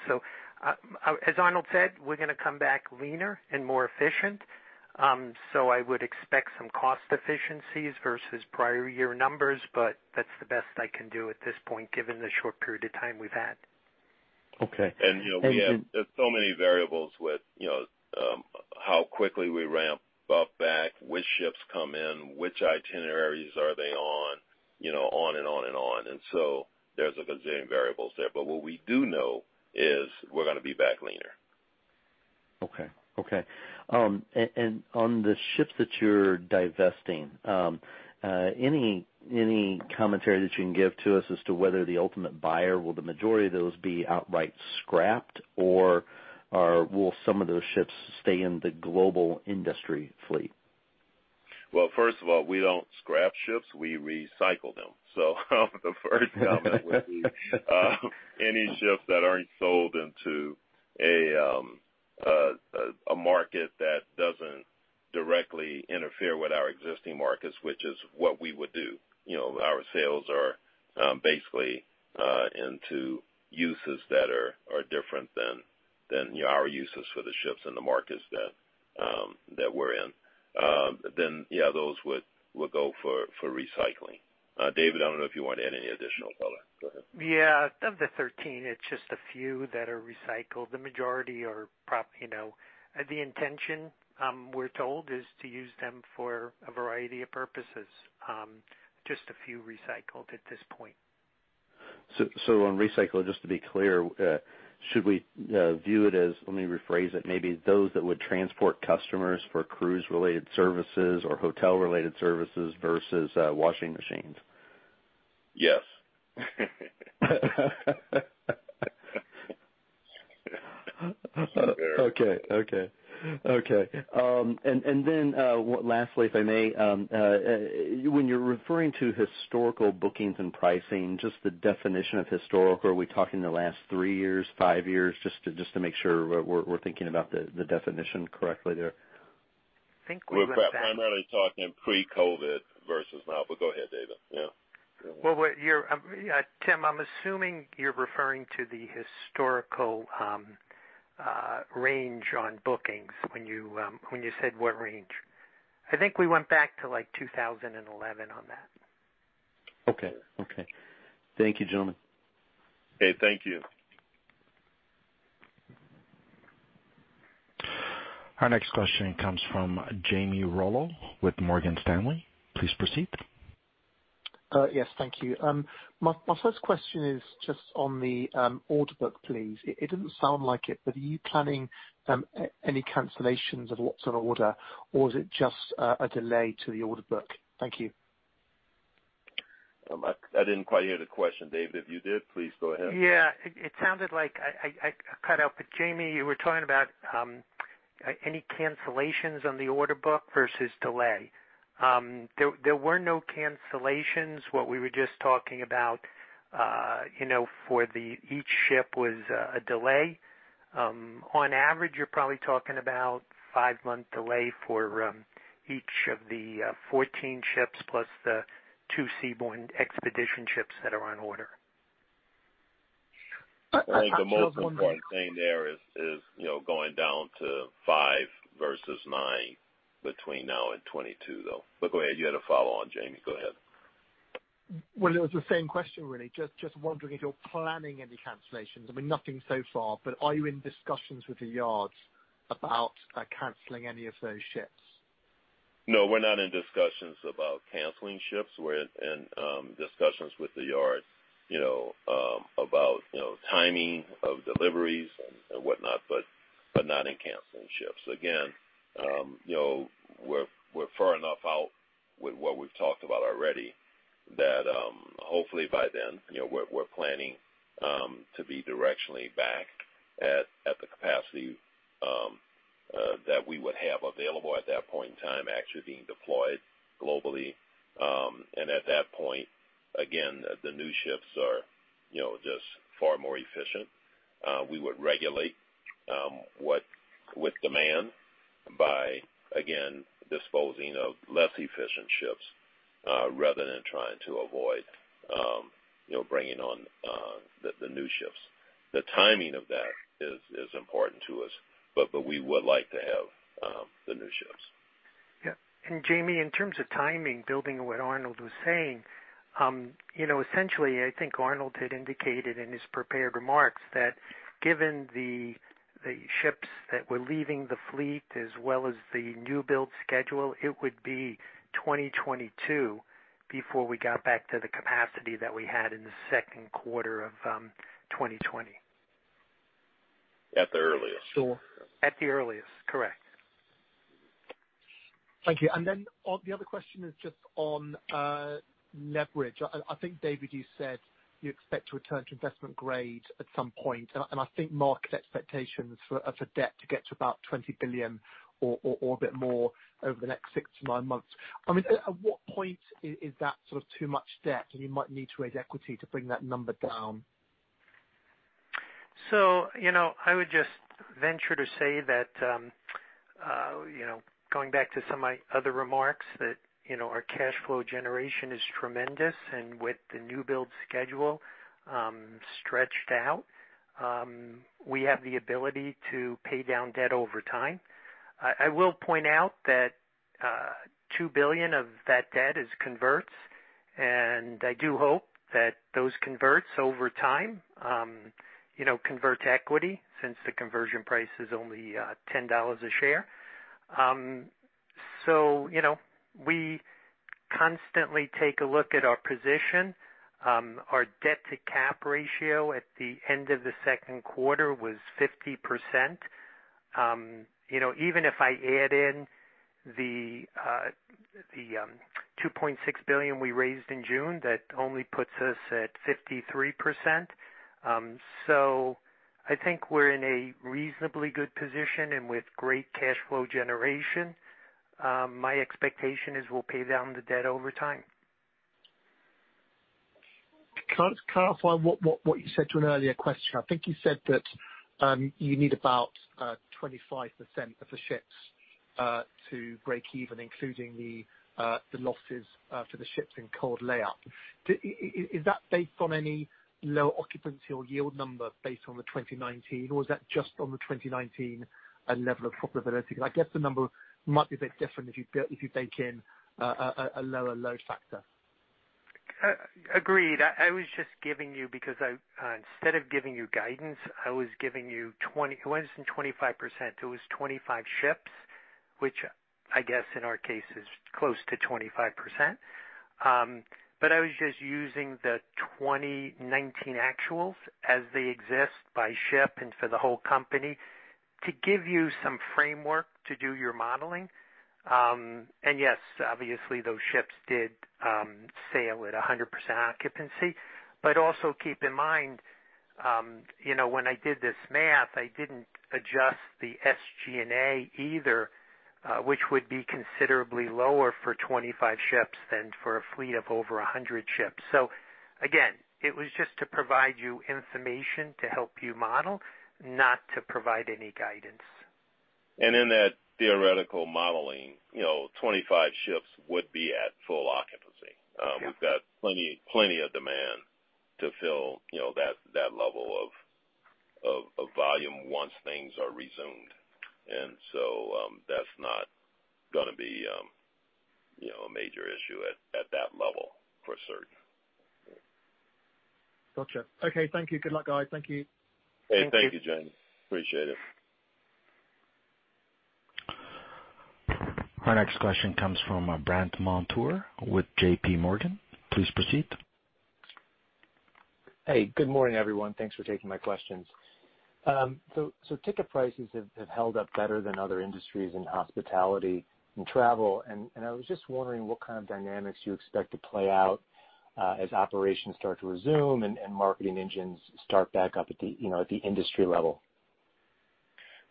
As Arnold said, we're going to come back leaner and more efficient. I would expect some cost efficiencies versus prior year numbers, but that's the best I can do at this point, given the short period of time we've had.
Okay.
We have so many variables with how quickly we ramp up back, which ships come in, which itineraries are they on and on and on. There's a gazillion variables there, but what we do know is we're going to be back leaner.
Okay. On the ships that you're divesting, any commentary that you can give to us as to whether the ultimate buyer, will the majority of those be outright scrapped, or will some of those ships stay in the global industry fleet?
Well, first of all, we don't scrap ships, we recycle them. The first comment would be, any ships that aren't sold into a market that doesn't directly interfere with our existing markets, which is what we would do. Our sales are basically into uses that are different than our uses for the ships in the markets that we're in. Yeah, those would go for recycling. David, I don't know if you want to add any additional color. Go ahead.
Yeah. Of the 13, it's just a few that are recycled. The intention, we're told, is to use them for a variety of purposes. Just a few recycled at this point.
On recycle, just to be clear, maybe those that would transport customers for cruise-related services or hotel-related services versus washing machines?
Yes.
Okay. Lastly, if I may, when you're referring to historical bookings and pricing, just the definition of historical, are we talking the last three years, five years? Just to make sure we're thinking about the definition correctly there.
I think we.
We're primarily talking pre-COVID versus now, but go ahead, David. Yeah.
Tim, I'm assuming you're referring to the historical range on bookings when you said what range. I think we went back to 2011 on that.
Okay. Thank you, gentlemen.
Okay, thank you.
Our next question comes from Jamie Rollo with Morgan Stanley. Please proceed.
Yes, thank you. My first question is just on the order book, please. It didn't sound like it, are you planning any cancellations of lots of order, or is it just a delay to the order book? Thank you.
I didn't quite hear the question. David, if you did, please go ahead.
Yeah, it sounded like I cut out. Jaime, you were talking about any cancellations on the order book versus delay. There were no cancellations. What we were just talking about for the each ship was a delay. On average, you're probably talking about five-month delay for each of the 14 ships plus the two Seabourn Expedition ships that are on order.
I think the most important thing there is going down to five versus nine between now and 2022, though. Go ahead. You had a follow-on, Jamie. Go ahead.
Well, it was the same question, really. Just wondering if you're planning any cancellations. I mean, nothing so far, but are you in discussions with the yards about canceling any of those ships?
No, we're not in discussions about canceling ships. We're in discussions with the yards, about timing of deliveries and whatnot, but not in canceling ships. Again, we're far enough out with what we've talked about already that, hopefully by then, we're planning to be directionally back at the capacity that we would have available at that point in time, actually being deployed globally. At that point, again, the new ships are just far more efficient. We would regulate with demand by, again, disposing of less efficient ships, rather than trying to avoid bringing on the new ships. The timing of that is important to us, but we would like to have the new ships.
Yeah. Jamie, in terms of timing, building on what Arnold was saying, essentially, I think Arnold had indicated in his prepared remarks that given the ships that were leaving the fleet as well as the new build schedule, it would be 2022 before we got back to the capacity that we had in the second quarter of 2020.
At the earliest.
Sure.
At the earliest, correct.
Thank you. The other question is just on leverage. I think, David, you said you expect to return to investment grade at some point, and I think market expectations for debt to get to about $20 billion or a bit more over the next six to nine months. At what point is that sort of too much debt, and you might need to raise equity to bring that number down?
I would just venture to say that, going back to some of my other remarks, that our cash flow generation is tremendous, and with the new build schedule stretched out, we have the ability to pay down debt over time. I will point out that $2 billion of that debt is converts. I do hope that those converts over time convert to equity since the conversion price is only $10 a share. We constantly take a look at our position. Our debt-to-cap ratio at the end of the second quarter was 50%. Even if I add in the $2.6 billion we raised in June, that only puts us at 53%. I think we're in a reasonably good position and with great cash flow generation. My expectation is we'll pay down the debt over time.
Can I clarify what you said to an earlier question? I think you said that you need about 25% of the ships to break even, including the losses for the ships in cold layup. Is that based on any low occupancy or yield number based on the 2019, or is that just on the 2019 level of profitability? I guess the number might be a bit different if you bake in a lower load factor.
Agreed. I was just giving you, because instead of giving you guidance, I was giving you It wasn't 25%, it was 25 ships, which I guess in our case is close to 25%. I was just using the 2019 actuals as they exist by ship and for the whole company to give you some framework to do your modeling. Yes, obviously those ships did sail at 100% occupancy. Also keep in mind, when I did this math, I didn't adjust the SG&A either, which would be considerably lower for 25 ships than for a fleet of over 100 ships. Again, it was just to provide you information to help you model, not to provide any guidance.
In that theoretical modeling, 25 ships would be at full occupancy.
Yeah.
We've got plenty of demand to fill that level of volume once things are resumed. That's not going to be a major issue at that level, for certain.
Got you. Okay. Thank you. Good luck, guys. Thank you.
Hey, thank you, Jamie. Appreciate it.
Our next question comes from Brandt Montour with JPMorgan. Please proceed.
Hey, good morning, everyone. Thanks for taking my questions. Ticket prices have held up better than other industries in hospitality and travel, and I was just wondering what kind of dynamics you expect to play out as operations start to resume and marketing engines start back up at the industry level.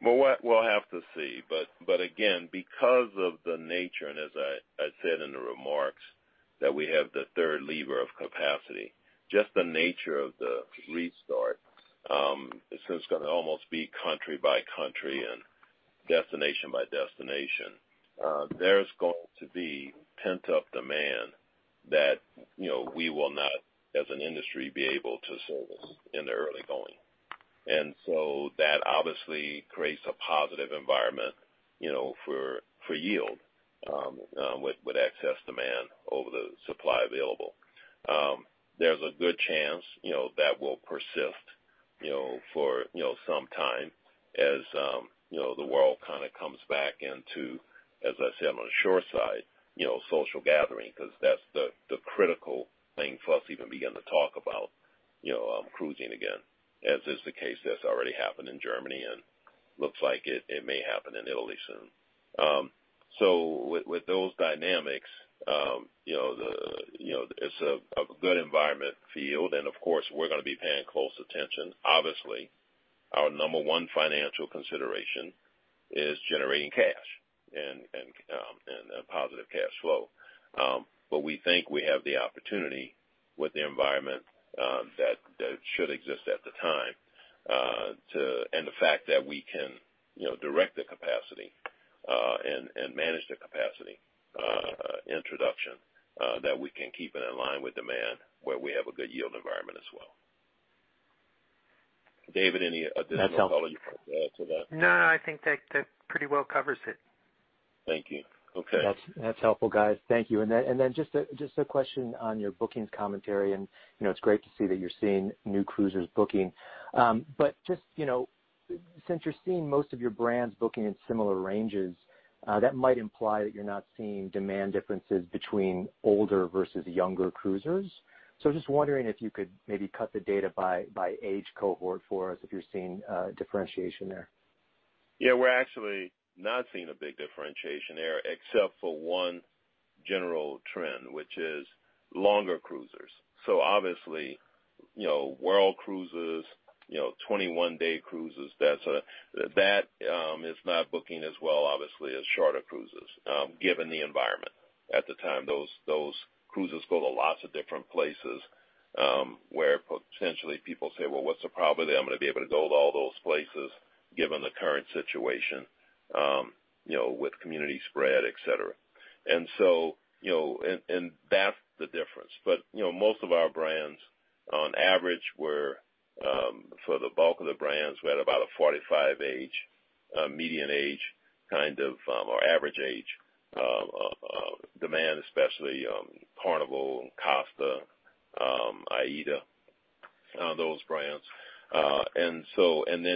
Well, we'll have to see, but again, because of the nature, and as I said in the remarks, that we have the third lever of capacity, just the nature of the restart, since it's going to almost be country by country and destination by destination, there's going to be pent-up demand that we will not, as an industry, be able to service in the early going. That obviously creates a positive environment for yield with excess demand over the supply available. There's a good chance that will persist for some time as the world kind of comes back into, as I said on the shore side, social gathering, because that's the critical thing for us to even begin to talk about cruising again, as is the case that's already happened in Germany and looks like it may happen in Italy soon. With those dynamics, it's a good environment for yield, and of course, we're going to be paying close attention. Obviously, our number one financial consideration is generating cash and a positive cash flow. We think we have the opportunity with the environment that should exist at the time, and the fact that we can direct the capacity and manage the capacity introduction, that we can keep it in line with demand where we have a good yield environment as well. David, any additional color you want to add to that?
No, I think that pretty well covers it.
Thank you. Okay.
That's helpful, guys. Thank you. Just a question on your bookings commentary. It's great to see that you're seeing new cruisers booking. Just since you're seeing most of your brands booking in similar ranges, that might imply that you're not seeing demand differences between older versus younger cruisers. I'm just wondering if you could maybe cut the data by age cohort for us, if you're seeing differentiation there.
Yeah, we're actually not seeing a big differentiation there except for one general trend, which is longer cruisers. Obviously, world cruisers, 21-day cruises, that is not booking as well, obviously, as shorter cruises, given the environment at the time. Those cruises go to lots of different places, where potentially people say, well, what's the probability I'm going to be able to go to all those places given the current situation with community spread, et cetera? That's the difference. Most of our brands, on average, for the bulk of the brands, we're at about a 45 age, median age, or average age demand, especially Carnival, Costa, AIDA, those brands.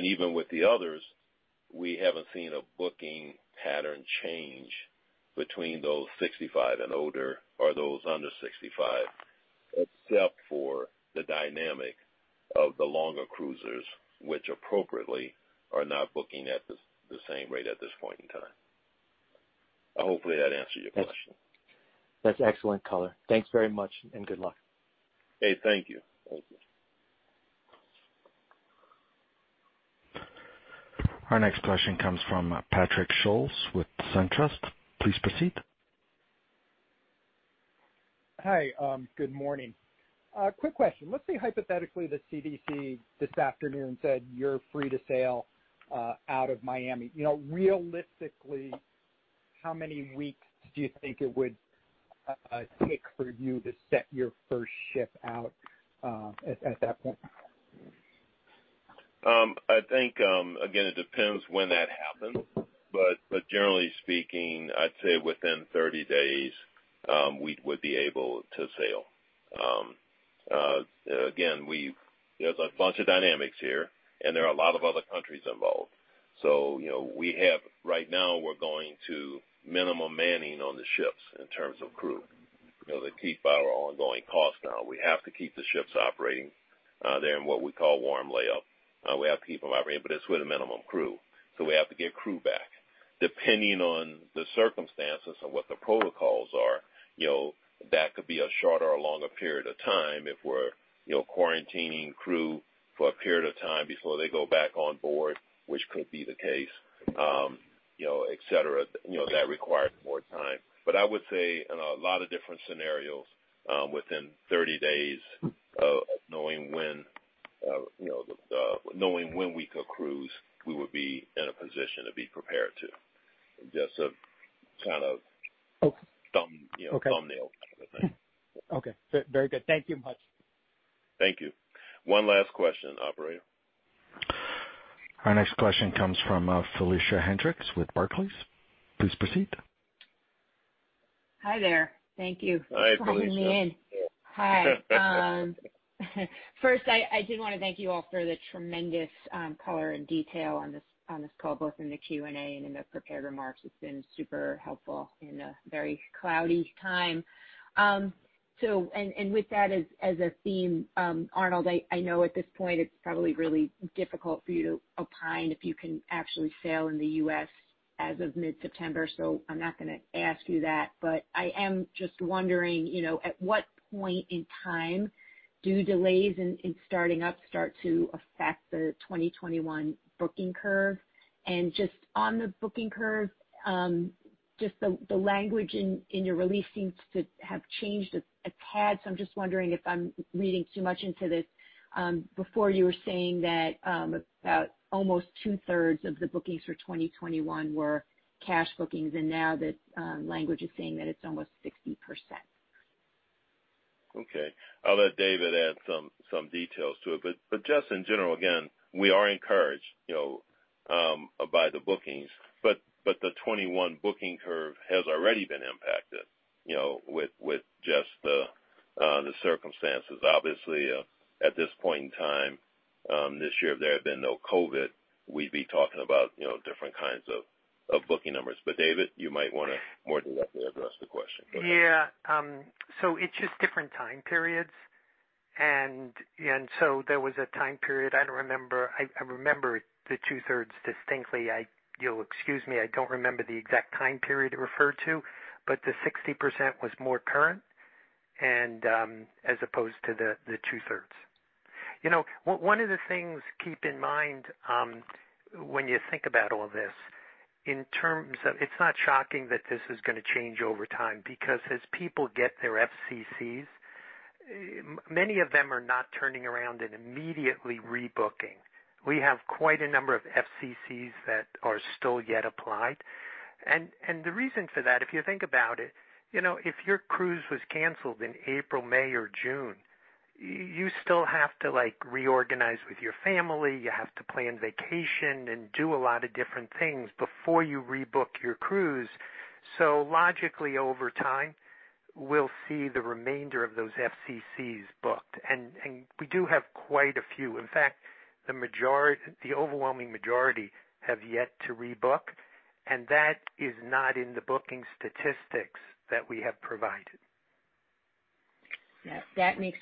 Even with the others, we haven't seen a booking pattern change between those 65 and older or those under 65, except for the dynamic of the longer cruisers, which appropriately are not booking at the same rate at this point in time. Hopefully that answers your question.
That's excellent color. Thanks very much, and good luck.
Hey, thank you.
Our next question comes from Patrick Scholes with SunTrust. Please proceed.
Hi, good morning. Quick question. Let's say hypothetically, the CDC this afternoon said you're free to sail out of Miami. Realistically, how many weeks do you think it would take for you to set your first ship out at that point?
I think, again, it depends when that happens, but generally speaking, I'd say within 30 days, we would be able to sail. Again, there's a bunch of dynamics here, and there are a lot of other countries involved. Right now, we're going to minimum manning on the ships in terms of crew. To keep our ongoing costs down, we have to keep the ships operating. They're in what we call warm layup. We have to keep them operating, but it's with a minimum crew. We have to get crew back. Depending on the circumstances and what the protocols are, that could be a shorter or longer period of time if we're quarantining crew for a period of time before they go back on board, which could be the case, et cetera. That requires more time. I would say in a lot of different scenarios, within 30 days of knowing when we could cruise, we would be in a position to be prepared to, just a thumbnail kind of a thing.
Okay. Very good. Thank you much.
Thank you. One last question, operator.
Our next question comes from Felicia Hendrix with Barclays. Please proceed.
Hi there. Thank you.
Hi, Felicia.
Thanks for letting me in. Hi. First, I did want to thank you all for the tremendous color and detail on this call, both in the Q&A and in the prepared remarks. It's been super helpful in a very cloudy time. With that as a theme, Arnold, I know at this point it's probably really difficult for you to opine if you can actually sail in the U.S. as of mid-September, so I'm not going to ask you that. I am just wondering, at what point in time do delays in starting up start to affect the 2021 booking curve? Just on the booking curve, just the language in your release seems to have changed a tad, so I'm just wondering if I'm reading too much into this. Before you were saying that about almost 2/3 of the bookings for 2021 were cash bookings, now the language is saying that it's almost 60%.
Okay. I'll let David add some details to it. Just in general, again, we are encouraged by the bookings. The 2021 booking curve has already been impacted with just the circumstances. Obviously, at this point in time this year, if there had been no COVID-19, we'd be talking about different kinds of booking numbers. David, you might want to more directly address the question. Go ahead.
Yeah. It's just different time periods. There was a time period, I remember the 2/3 distinctly. You'll excuse me, I don't remember the exact time period it referred to, but the 60% was more current as opposed to the 2/3. One of the things to keep in mind when you think about all this, it's not shocking that this is going to change over time because as people get their FCCs, many of them are not turning around and immediately rebooking. We have quite a number of FCCs that are still yet applied. The reason for that, if you think about it, if your cruise was canceled in April, May, or June, you still have to reorganize with your family. You have to plan vacation and do a lot of different things before you rebook your cruise. Logically, over time, we'll see the remainder of those FCCs booked. We do have quite a few. In fact, the overwhelming majority have yet to rebook, and that is not in the booking statistics that we have provided.
Yeah. That makes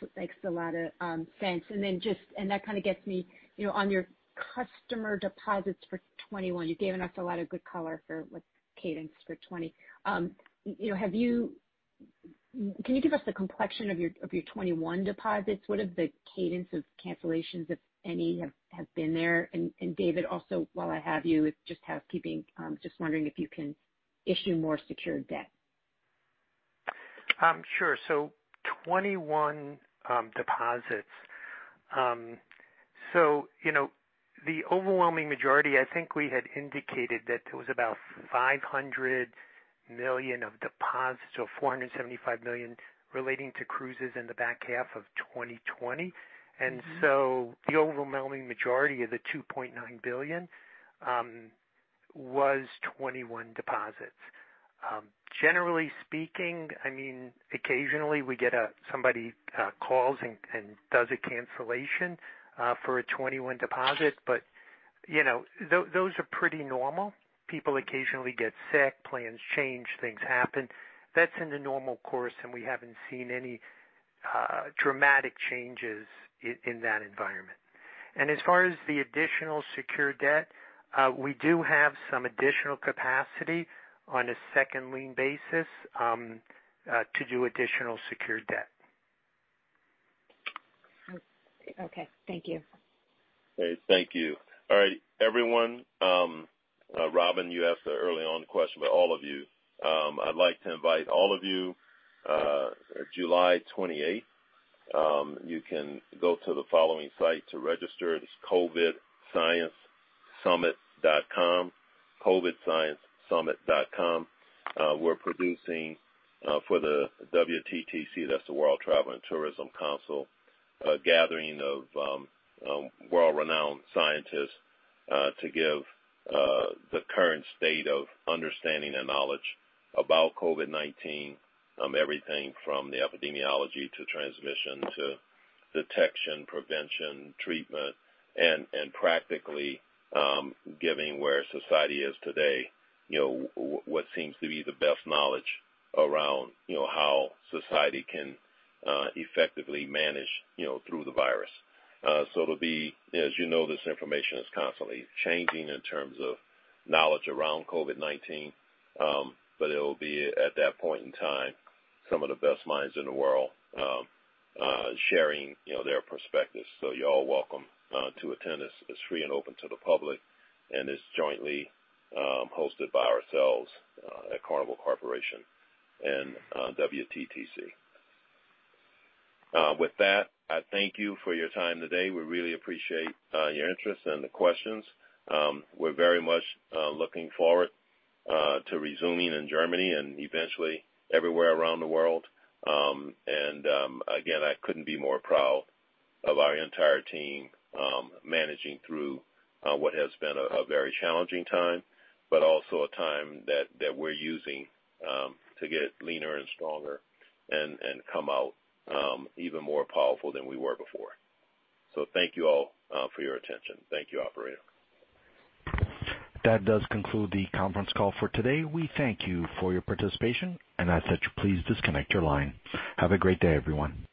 a lot of sense. That kind of gets me on your customer deposits for 2021. You've given us a lot of good color for cadence for 2020. Can you give us the complexion of your 2021 deposits? What are the cadence of cancellations, if any, have been there? David, also while I have you, just housekeeping, just wondering if you can issue more secured debt.
Sure. 2021 deposits. The overwhelming majority, I think we had indicated that it was about $500 million of deposits or $475 million relating to cruises in the back half of 2020. The overwhelming majority of the $2.9 billion was 2021 deposits. Generally speaking, occasionally we get somebody calls and does a cancellation for a 2021 deposit. Those are pretty normal. People occasionally get sick, plans change, things happen. That's in the normal course, and we haven't seen any dramatic changes in that environment. As far as the additional secured debt, we do have some additional capacity on a second lien basis to do additional secured debt.
Okay. Thank you.
Great. Thank you. All right, everyone. Robin, you asked the early-on question, but all of you, I'd like to invite all of you, July 28th. You can go to the following site to register. It is covidsciencesummit.com, covidsciencesummit.com. We're producing for the WTTC, that's the World Travel & Tourism Council, a gathering of world-renowned scientists to give the current state of understanding and knowledge about COVID-19, everything from the epidemiology to transmission to detection, prevention, treatment, and practically giving where society is today, what seems to be the best knowledge around how society can effectively manage through the virus. It'll be, as you know, this information is constantly changing in terms of knowledge around COVID-19. It will be at that point in time, some of the best minds in the world sharing their perspectives. Y'all are welcome to attend. It's free and open to the public, and it's jointly hosted by ourselves at Carnival Corporation and WTTC. With that, I thank you for your time today. We really appreciate your interest and the questions. We're very much looking forward to resuming in Germany and eventually everywhere around the world. Again, I couldn't be more proud of our entire team managing through what has been a very challenging time, but also a time that we're using to get leaner and stronger and come out even more powerful than we were before. Thank you all for your attention. Thank you, operator.
That does conclude the conference call for today. We thank you for your participation, and I ask that you please disconnect your line. Have a great day, everyone.